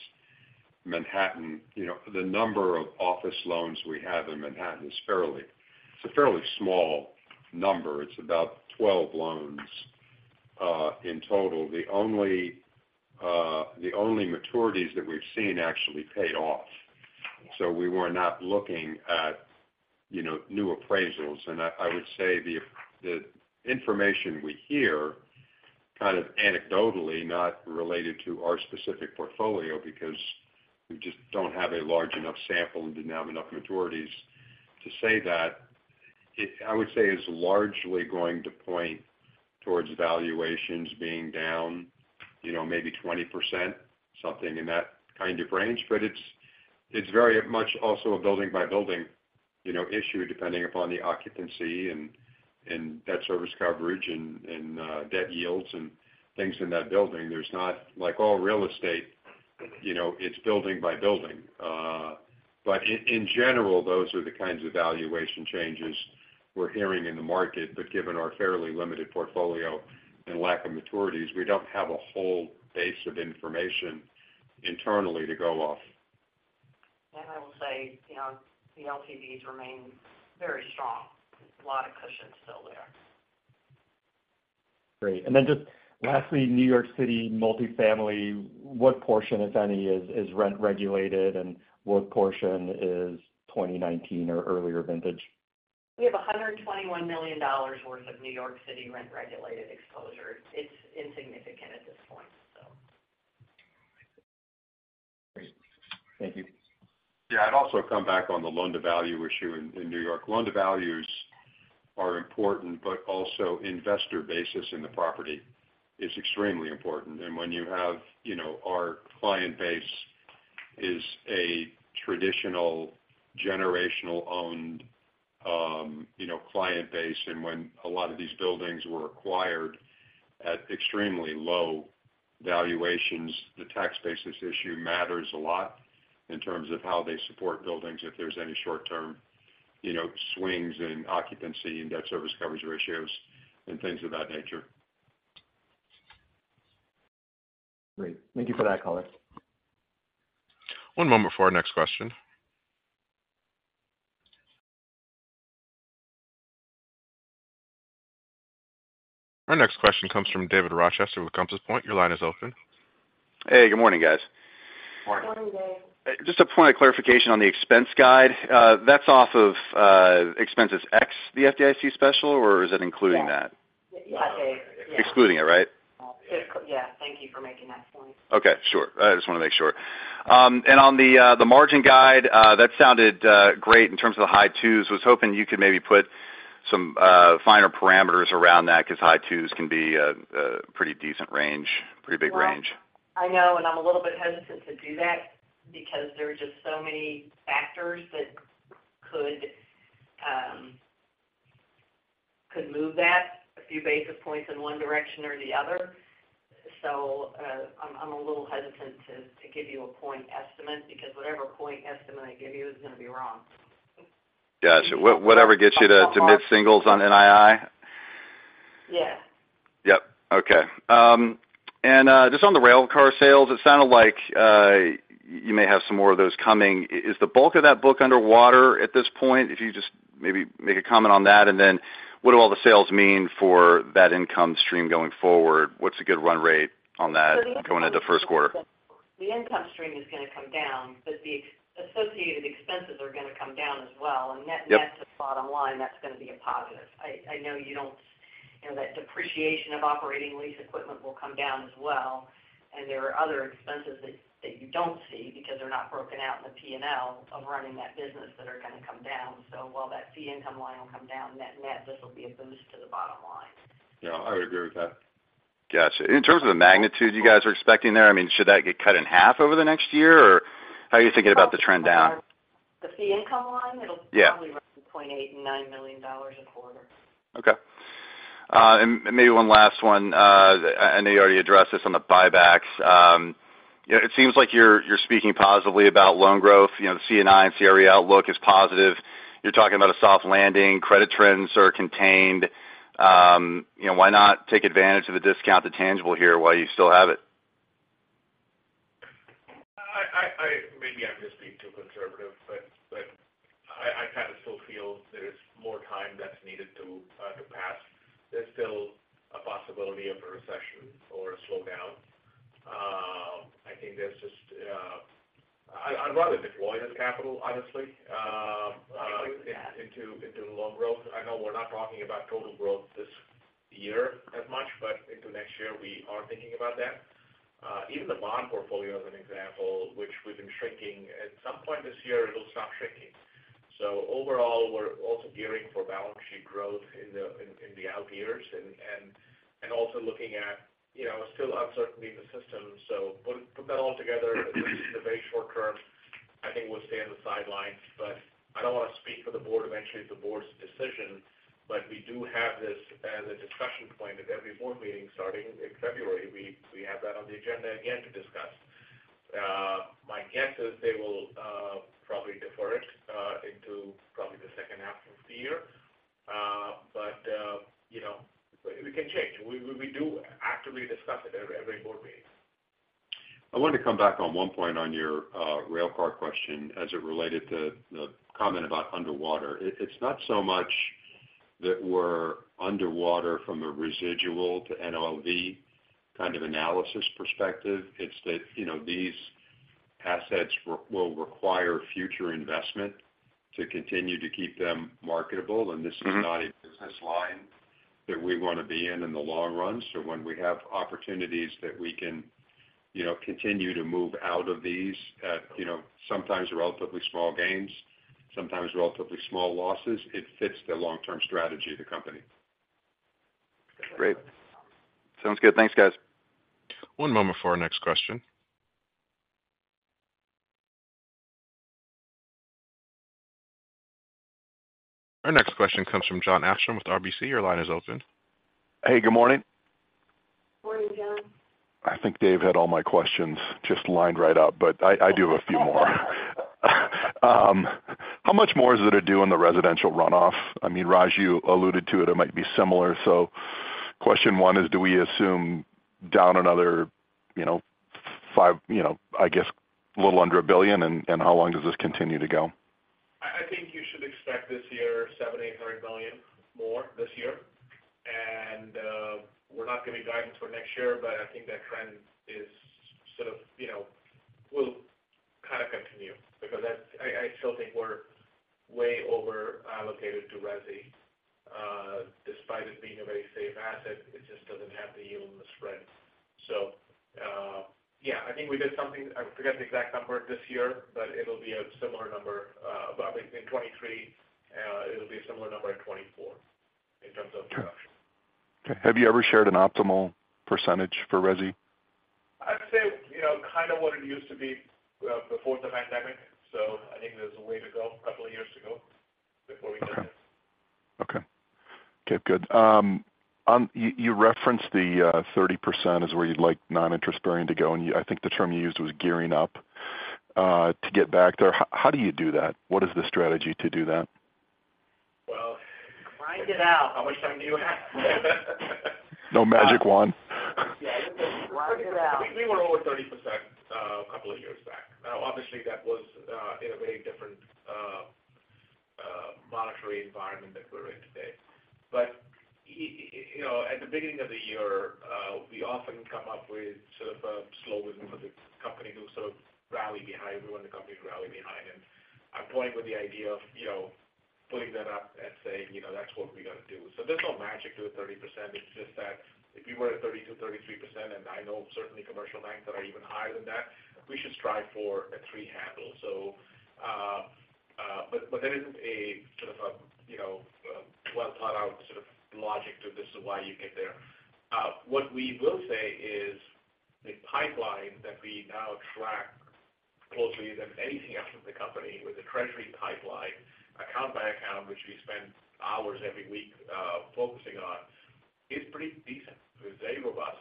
Manhattan. You know, the number of office loans we have in Manhattan is fairly. It's a fairly small number. It's about 12 loans in total. The only maturities that we've seen actually paid off. So we were not looking at, you know, new appraisals. And I would say the information we hear, kind of anecdotally, not related to our specific portfolio, because we just don't have a large enough sample and didn't have enough maturities to say that. It, I would say, is largely going to point towards valuations being down, you know, maybe 20%, something in that kind of range. But it's very much also a building-by-building, you know, issue, depending upon the occupancy and debt service coverage and debt yields and things in that building. There's not, like, all real estate, you know, it's building by building. But in general, those are the kinds of valuation changes we're hearing in the market. But given our fairly limited portfolio and lack of maturities, we don't have a whole base of information internally to go off. I will say, you know, the LTVs remain very strong. There's a lot of cushion still there. Great. And then just lastly, New York City multifamily, what portion, if any, is rent regulated and what portion is 2019 or earlier vintage? We have $121 million worth of New York City rent-regulated exposure. It's insignificant at this point, so. Great. Thank you. Yeah. I'd also come back on the loan-to-value issue in New York. Loan-to-values are important, but also investor basis in the property is extremely important. And when you have, you know, our client base is a traditional generational-owned, you know, client base, and when a lot of these buildings were acquired at extremely low valuations, the tax basis issue matters a lot in terms of how they support buildings, if there's any short-term, you know, swings in occupancy and debt service coverage ratios and things of that nature. Great. Thank you for that, color. One moment for our next question. Our next question comes from David Rochester with Compass Point. Your line is open. Hey, good morning, guys. Morning. Morning, Dave. Just a point of clarification on the expense guide. That's off of expenses X, the FDIC special, or is it including that? Yeah. Excluding it, right? Yeah, thank you for making that point. Okay, sure. I just wanted to make sure. And on the margin guide, that sounded great in terms of the high twos. Was hoping you could maybe put some finer parameters around that, because high twos can be a pretty decent range, pretty big range. I know, and I'm a little bit hesitant to do that, because there are just so many factors that could move that a few basis points in one direction or the other. So, I'm a little hesitant to give you a point estimate, because whatever point estimate I give you is going to be wrong. Gotcha. Whatever gets you to mid-singles on NII? Yeah. Yep. Okay. And just on the railcar sales, it sounded like you may have some more of those coming. Is the bulk of that book underwater at this point? If you just maybe make a comment on that, and then what do all the sales mean for that income stream going forward? What's a good run rate on that going into Q1? The income stream is going to come down, but the associated expenses are going to come down as well. Yep. Net, net to the bottom line, that's going to be a positive. I know you don't... You know, that depreciation of operating lease equipment will come down as well, and there are other expenses that you don't see, because they're not broken out in the P&L of running that business, that are going to come down. So while that fee income line will come down, net, net, this will be a boost to the bottom line. Yeah, I would agree with that. Gotcha. In terms of the magnitude you guys are expecting there, I mean, should that get cut in half over the next year, or how are you thinking about the trend down? The fee income line? Yeah. It'll probably run $0.8-0.9 million a quarter. Okay. Maybe one last one. I know you already addressed this on the buybacks. You know, it seems like you're speaking positively about loan growth. You know, the C&I and CRE outlook is positive. You're talking about a soft landing, credit trends are contained. You know, why not take advantage of the discount to tangible here while you still have it? Maybe I'm just being too conservative, but I kind of still feel there's more time that's needed to pass. There's still a possibility of a recession or a slowdown.... I think there's just, I’d rather deploy this capital, honestly, into loan growth. I know we're not talking about total growth this year as much, but into next year, we are thinking about that. Even the bond portfolio, as an example, which we've been shrinking, at some point this year, it will stop shrinking. So overall, we're also gearing for balance sheet growth in the out years and also looking at, you know, still uncertainty in the system. So put that all together, in the very short term, I think we'll stay on the sidelines. But I don't want to speak for the board. Eventually, it's the board's decision, but we do have this as a discussion point at every board meeting starting in February. We have that on the agenda again to discuss. My guess is they will probably defer it into probably the second half of the year. But you know, it can change. We do actively discuss it at every board meeting. I wanted to come back on one point on your railcar question as it related to the comment about underwater. It's not so much that we're underwater from a residual to NOLV kind of analysis perspective, it's that, you know, these assets will require future investment to continue to keep them marketable. Mm-hmm. This is not a business line that we want to be in in the long run. So when we have opportunities that we can, you know, continue to move out of these at, you know, sometimes relatively small gains, sometimes relatively small losses, it fits the long-term strategy of the company. Great. Sounds good. Thanks, guys. One moment before our next question. Our next question comes from Jon Arfstrom with RBC. Your line is open. Hey, good morning. Morning, Jon. I think Dave had all my questions just lined right up, but I do have a few more. How much more is there to do in the residential runoff? I mean, Raj alluded to it, it might be similar. So question one is, do we assume down another, you know, five, you know, I guess, a little under a billion, and how long does this continue to go? I think you should expect this year $700-800 million more this year. We're not going to give guidance for next year, but I think that trend is sort of, you know, will kind of continue because that's. I still think we're way over allocated to resi. Despite it being a very safe asset, it just doesn't have the yield and the spread. So, yeah, I think we did something, I forget the exact number this year, but it'll be a similar number, I think in 2023, it'll be a similar number in 2024 in terms of reduction. Okay. Have you ever shared an optimal percentage for resi? I'd say, you know, kind of what it used to be before the pandemic, so I think there's a way to go, a couple of years to go before we get there. Okay. Okay, good. You referenced the 30% is where you'd like non-interest-bearing to go, and I think the term you used was gearing up to get back there. How do you do that? What is the strategy to do that? Well- Grind it out. How much time do you have? No magic wand. Yeah, just grind it out. We were over 30%, a couple of years back. Now, obviously, that was in a very different monetary environment than we're in today. But you know, at the beginning of the year, we often come up with sort of a slogan for the company to sort of rally behind. We want the company to rally behind, and I'm playing with the idea of, you know, putting that up and saying, you know, that's what we're going to do. So there's no magic to the 30%. It's just that if we were at 30%-33%, and I know certainly commercial banks that are even higher than that, we should strive for a three handle. So, but there isn't a sort of a, you know, a well thought out sort of logic to this is why you get there. What we will say is the pipeline that we now track closely than anything else in the company with the treasury pipeline, account by account, which we spend hours every week focusing on, is pretty decent. It's very robust.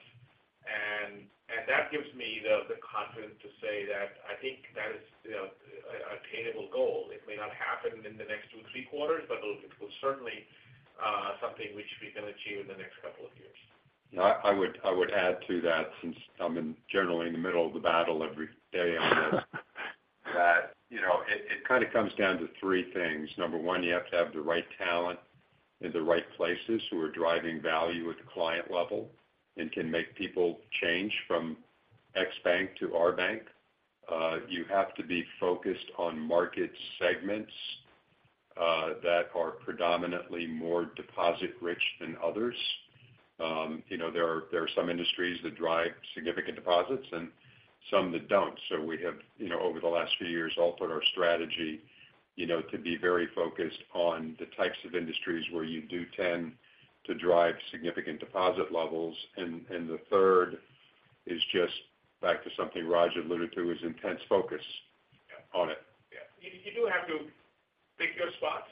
And that gives me the confidence to say that I think that is, you know, an attainable goal. It may not happen in the next two, three quarters, but it will certainly something which we can achieve in the next couple of years. Yeah, I would, I would add to that, since I'm in generally in the middle of the battle every day on this. That, you know, it, it kind of comes down to three things. Number one, you have to have the right talent in the right places who are driving value at the client level and can make people change from X bank to our bank. You have to be focused on market segments that are predominantly more deposit rich than others. You know, there are, there are some industries that drive significant deposits and some that don't. So we have, you know, over the last few years, altered our strategy, you know, to be very focused on the types of industries where you do tend to drive significant deposit levels. The third is just back to something Raj alluded to, is intense focus on it. Yeah. You, you do have to pick your spots,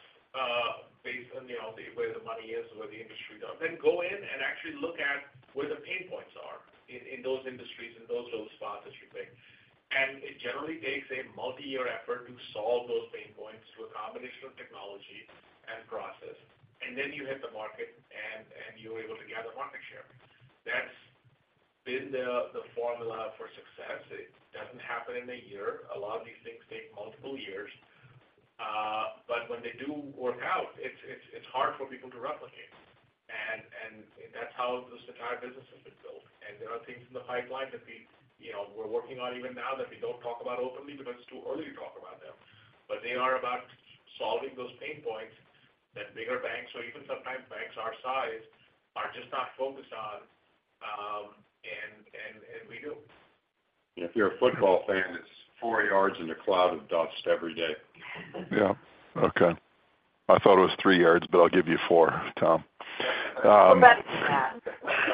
based on, you know, where the money is, where the industry goes, then go in and actually look at where the pain points are in, in those industries and those, those spots that you pick. And it generally takes a multi-year effort to solve those pain points through a combination of technology and process. And then you hit the market and, and you're able to gather market share. That's been the, the formula for success. It doesn't happen in a year. A lot of these things take multiple years, but when they do work out, it's, it's, it's hard for people to replicate. And, and that's how this entire business has been built. There are things in the pipeline that we, you know, we're working on even now that we don't talk about openly because it's too early to talk about them. But they are about solving those pain points that bigger banks, or even sometimes banks our size, are just not focused on, and we do. If you're a football fan, it's four yards in a cloud of dust every day. Yeah, okay. I thought it was three yards, but I'll give you four, Tom. We're better than that.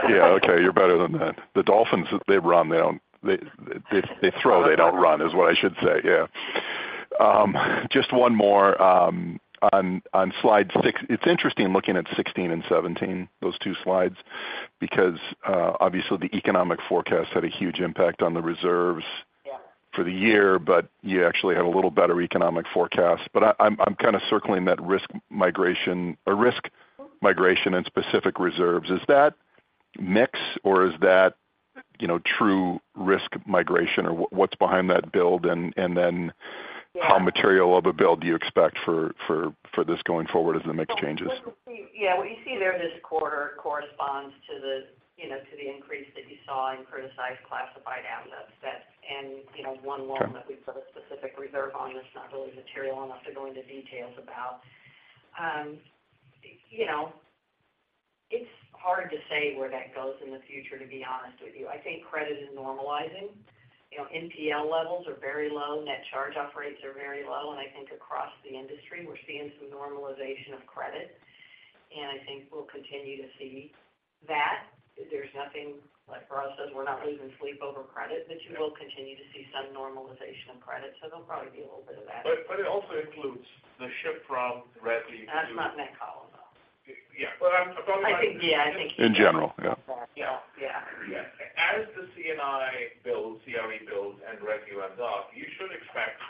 Yeah, okay. You're better than that. The Dolphins, they run, they don't, they throw, they don't run, is what I should say. Yeah. Just one more on slide 6. It's interesting looking at 16 and 17, those two slides, because obviously, the economic forecast had a huge impact on the reserves- Yeah. for the year, but you actually had a little better economic forecast. But I'm kind of circling that risk migration, or risk migration and specific reserves. Is that mix, or is that, you know, true risk migration, or what's behind that build? And then- Yeah. How material of a build do you expect for this going forward as the mix changes? Yeah, what you see there this quarter corresponds to the, you know, to the increase that you saw in criticized classified assets. That and, you know, one loan- Okay. -that we put a specific reserve on, that's not really material enough to go into details about. You know, it's hard to say where that goes in the future, to be honest with you. I think credit is normalizing. You know, NPL levels are very low, net charge-off rates are very low, and I think across the industry, we're seeing some normalization of credit. And I think we'll continue to see that. There's nothing, like Raj says, we're not losing sleep over credit, but you will continue to see some normalization of credit, so there'll probably be a little bit of that. But it also includes the shift from RESI - That's not in that column, though. Yeah, but I'm talking about- I think, yeah, I think you- In general, yeah. Yeah. Yeah. Yeah. As the C&I builds, CRE builds and RESI runs off, you should expect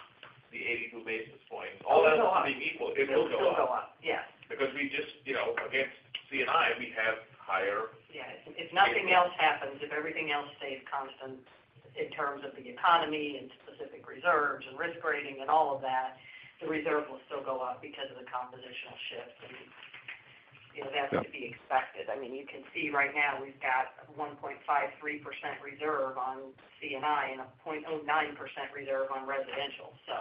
the 82 basis points. It'll go up. All else being equal. It will go up. It'll go up, yes. Because we just, you know, against C&I, we have higher- Yeah, if nothing else happens, if everything else stays constant in terms of the economy and specific reserves and risk grading and all of that, the reserve will still go up because of the compositional shift. And, you know, that's to be expected. Yeah. I mean, you can see right now we've got 1.53% reserve on C&I and a 0.09% reserve on residential, so.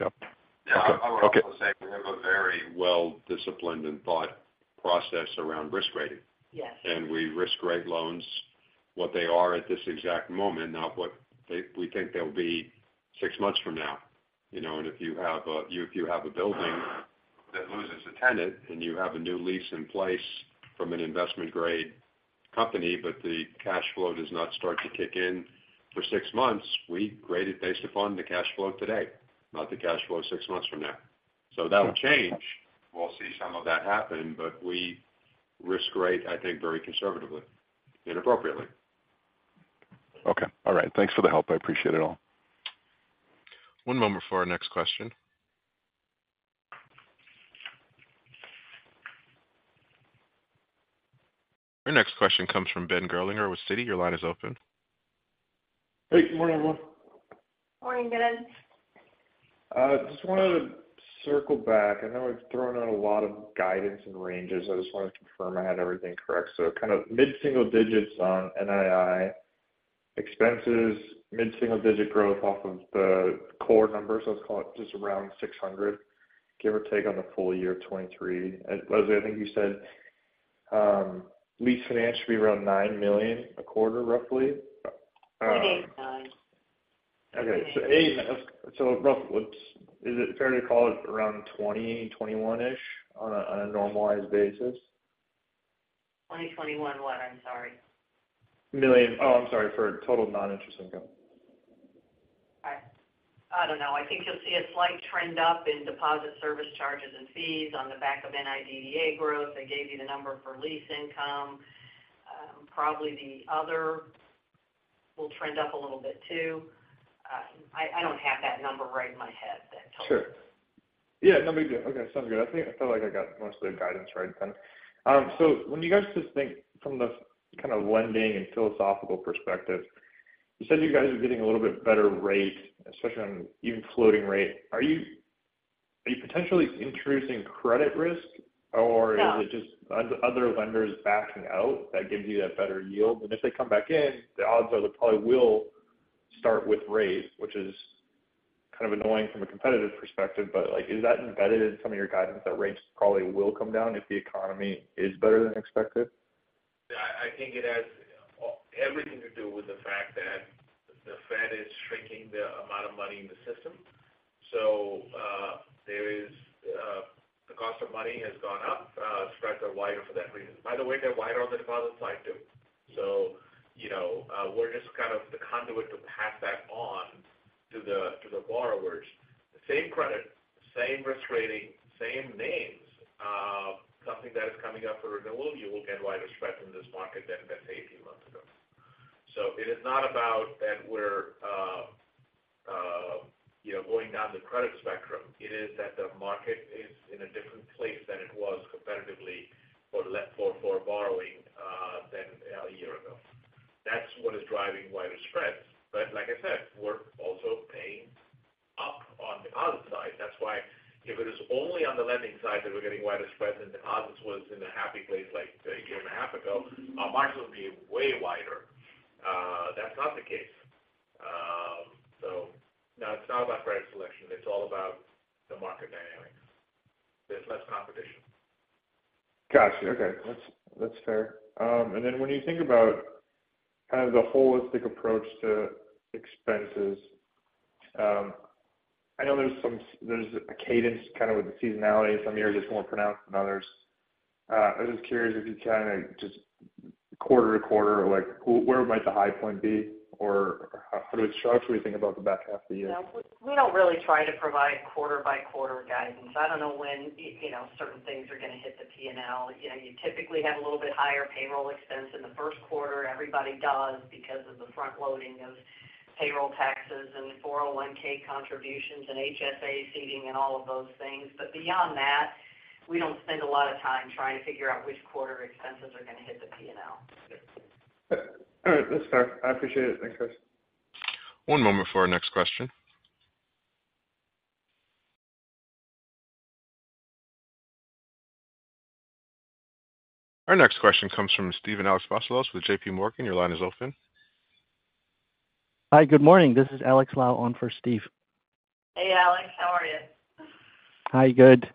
Yep. Okay. Yeah, I would also say we have a very well-disciplined and thought process around risk rating. Yes. We risk rate loans what they are at this exact moment, not what they, we think they'll be six months from now. You know, and if you have a building that loses a tenant and you have a new lease in place from an investment-grade company, but the cash flow does not start to kick in for six months, we grade it based upon the cash flow today, not the cash flow six months from now. So that'll change. We'll see some of that happen, but we risk rate, I think, very conservatively and appropriately. Okay. All right. Thanks for the help. I appreciate it all. One moment before our next question. Your next question comes from Ben Gerlinger with Citi. Your line is open. Hey, good morning, everyone. Morning, Ben. Just wanted to circle back. I know it's throwing out a lot of guidance and ranges. I just wanted to confirm I had everything correct. So kind of mid-single digits on NII. Expenses, mid-single digit growth off of the core numbers, let's call it just around $600, give or take on the full year of 2023. And Leslie, I think you said, lease finance should be around $9 million a quarter, roughly? Eight, nine. Okay. So eight, so roughly, is it fair to call it around 20, 21-ish on a normalized basis? 2021 what? I'm sorry. Million. Oh, I'm sorry, for total non-interest income. I don't know. I think you'll see a slight trend up in deposit service charges and fees on the back of NIDDA growth. I gave you the number for lease income. Probably the other will trend up a little bit, too. I don't have that number right in my head, Ben, totally. Sure. Yeah, no big deal. Okay, sounds good. I think I feel like I got most of the guidance right then. So when you guys just think from the kind of lending and philosophical perspective, you said you guys are getting a little bit better rate, especially on even floating rate. Are you potentially introducing credit risk? No. or is it just other lenders backing out that gives you that better yield? And if they come back in, the odds are they probably will start with rates, which is kind of annoying from a competitive perspective, but, like, is that embedded in some of your guidance, that rates probably will come down if the economy is better than expected? Yeah, I think it has everything to do with the fact that the Fed is shrinking the amount of money in the system. So, there is, the cost of money has gone up, spreads are wider for that reason. By the way, they're wider on the deposit side, too. So, you know, we're just kind of the conduit to pass that on to the, to the borrowers. Same credit, same risk rating, same names, something that is coming up for renewal, you will get wider spread from this market than, than say 18 months ago. So it is not about that we're, you know, going down the credit spectrum. It is that the market is in a different place than it was competitively for borrowing now a year ago. That's what is driving wider spreads. But like I said, we're also paying up on deposit side. That's why if it is only on the lending side that we're getting wider spreads, and deposits was in a happy place like a year and a half ago, our margins would be way wider. That's not the case. So now it's not about credit selection, it's all about the market dynamics. There's less competition. Got you. Okay, that's, that's fair. And then when you think about kind of the holistic approach to expenses, I know there's a cadence, kind of, with the seasonality. Some years it's more pronounced than others. I'm just curious if you kind of just quarter to quarter, like, where might the high point be? Or how does it chart when we think about the back half of the year? Yeah, we don't really try to provide quarter by quarter guidance. I don't know when, you know, certain things are going to hit the P&L. You know, you typically have a little bit higher payroll expense in Q1. Everybody does because of the front loading of payroll taxes and 401k contributions and HSA seeding and all of those things. But beyond that, we don't spend a lot of time trying to figure out which quarter expenses are going to hit the P&L. All right, that's fair. I appreciate it. Thanks, guys. One moment for our next question. Our next question comes from Steve Alexopoulos with JP Morgan. Your line is open. Hi, good morning. This is Alex Lau on for Steve. Hey, Alex. How are you? Hi, good.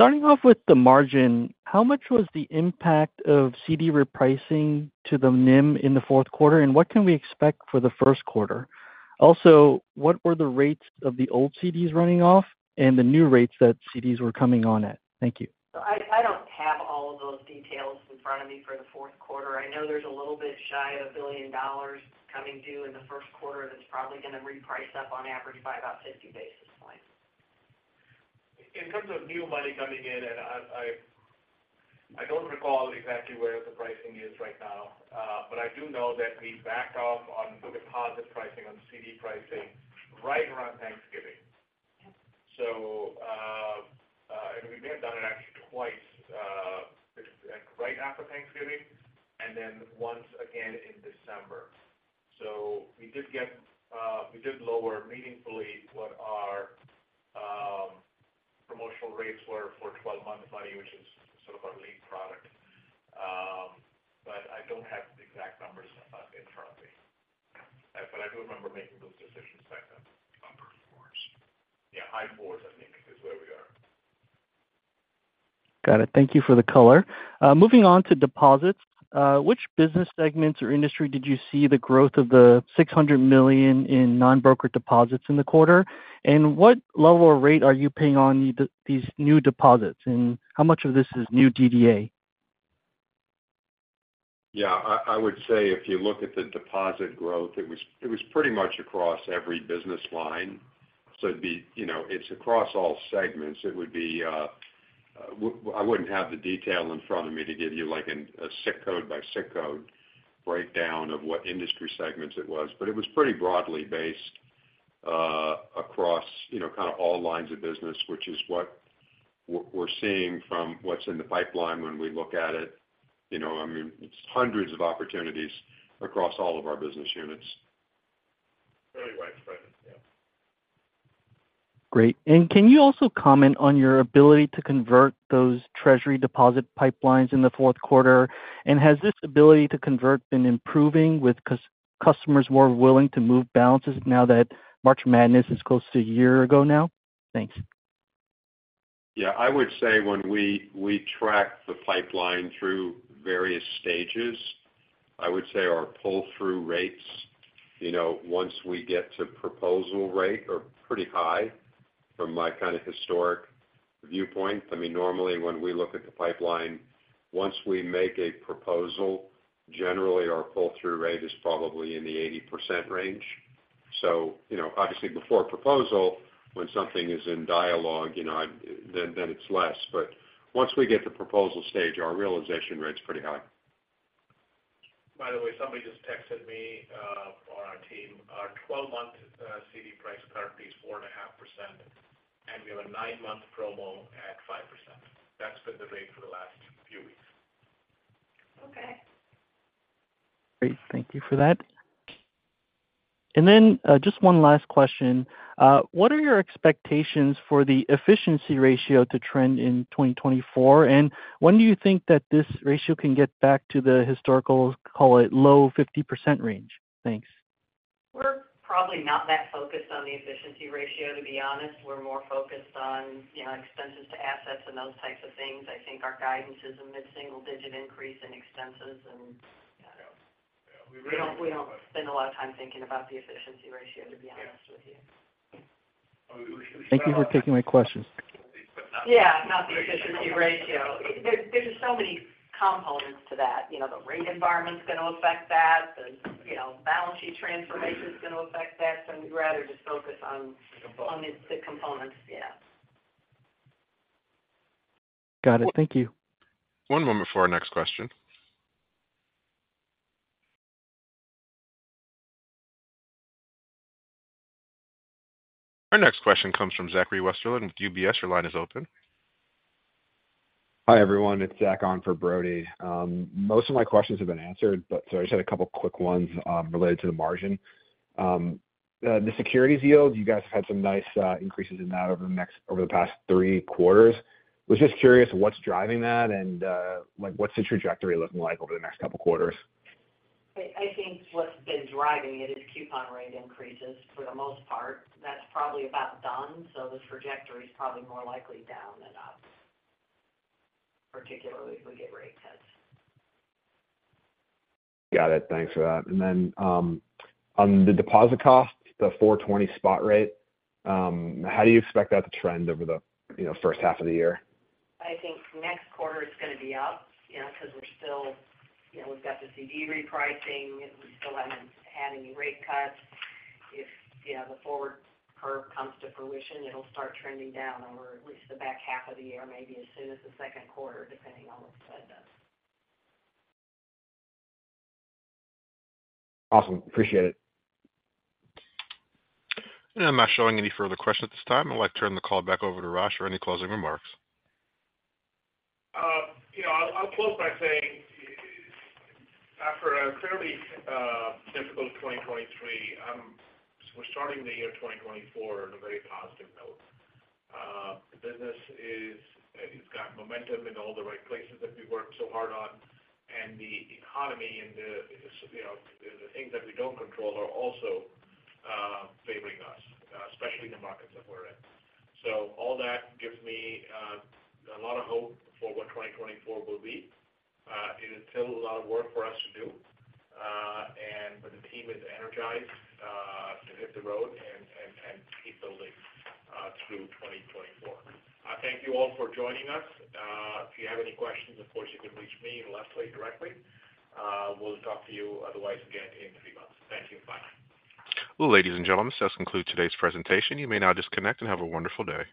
Starting off with the margin, how much was the impact of CD repricing to the NIM in Q4, and what can we expect for the Q1? Also, what were the rates of the old CDs running off and the new rates that CDs were coming on at? Thank you. I don't have all of those details in front of me for the Q4. I know there's a little bit shy of $1 billion coming due in Q1. That's probably going to reprice up on average by about 50 basis points. In terms of new money coming in, and I don't recall exactly where the pricing is right now, but I do know that we backed off on the deposit pricing, on CD pricing, right around Thanksgiving. Yes. So, and we may have done it actually twice, like, right after Thanksgiving and then once again in December. So we did get, we did lower meaningfully what our promotional rates were for 12-month money, which is sort of our lead product. But I don't have the exact numbers in front of me. But I do remember making those decisions back then. Upper fours. Yeah, high fours, I think, is where we are. Got it. Thank you for the color. Moving on to deposits, which business segments or industry did you see the growth of the $600 million in non-broker deposits in the quarter? And what level or rate are you paying on the, these new deposits, and how much of this is new DDA? Yeah, I would say if you look at the deposit growth, it was pretty much across every business line. So it'd be, you know, it's across all segments. It would be, I wouldn't have the detail in front of me to give you, like, a SIC code by SIC code breakdown of what industry segments it was, but it was pretty broadly based across, you know, kind of all lines of business, which is what we're seeing from what's in the pipeline when we look at it. You know, I mean, it's hundreds of opportunities across all of our business units. Very widespread, yeah. Great. And can you also comment on your ability to convert those treasury deposit pipelines in Q4? And has this ability to convert been improving with customers more willing to move balances now that March Madness is close to a year ago now? Thanks. Yeah, I would say when we, we track the pipeline through various stages, I would say our pull-through rates, you know, once we get to proposal rate, are pretty high from my kind of historic viewpoint. I mean, normally when we look at the pipeline, once we make a proposal, generally our pull-through rate is probably in the 80% range. So, you know, obviously before proposal, when something is in dialogue, you know, then, then it's less. But once we get to proposal stage, our realization rate is pretty high. By the way, somebody just texted me, on our team. Our 12-month CD price currently is 4.5%, and we have a nine-month promo at 5%. That's been the rate for the last few weeks. Okay. Great, thank you for that. And then, just one last question. What are your expectations for the efficiency ratio to trend in 2024? And when do you think that this ratio can get back to the historical, call it, low 50% range? Thanks. We're probably not that focused on the efficiency ratio, to be honest. We're more focused on, you know, expenses to assets and those types of things. I think our guidance is a mid-single digit increase in expenses and, yeah. Yeah. We don't spend a lot of time thinking about the efficiency ratio, to be honest with you. Yeah. Thank you for taking my questions. Yeah, not the efficiency ratio. There are so many components to that. You know, the rate environment's going to affect that, the, you know, balance sheet transformation is going to affect that. So we'd rather just focus on- The components. On the components, yeah. Got it. Thank you. One moment before our next question. Our next question comes from Zach Westerlind with UBS. Your line is open. Hi, everyone. It's Zach on for Brody. Most of my questions have been answered, but so I just had a couple of quick ones, related to the margin. The securities yield, you guys have had some nice, increases in that over the next-- over the past three quarters. Was just curious, what's driving that, and, like, what's the trajectory looking like over the next couple of quarters? I think what's been driving it is coupon rate increases for the most part. That's probably about done, so the trajectory is probably more likely down than up, particularly if we get rate cuts. Got it. Thanks for that. Then, on the deposit costs, the 4.20 spot rate, how do you expect that to trend over the, you know, first half of the year? I think next quarter, it's going to be up, you know, because we're still... You know, we've got the CD repricing. We still haven't had any rate cuts. If, you know, the forward curve comes to fruition, it'll start trending down over at least the back half of the year, maybe as soon as the second quarter, depending on what the Fed does. Awesome. Appreciate it. I'm not showing any further questions at this time. I'd like to turn the call back over to Raj for any closing remarks. You know, I'll close by saying after a fairly difficult 2023, we're starting the year 2024 on a very positive note. The business it's got momentum in all the right places that we worked so hard on, and the economy and the, you know, the things that we don't control are also favoring us, especially in the markets that we're in. So all that gives me a lot of hope for what 2024 will be. It is still a lot of work for us to do, but the team is energized to hit the road and keep building through 2024. I thank you all for joining us. If you have any questions, of course, you can reach me and Leslie directly. We'll talk to you otherwise again in three months. Thank you. Bye. Well, ladies and gentlemen, this does conclude today's presentation. You may now disconnect and have a wonderful day.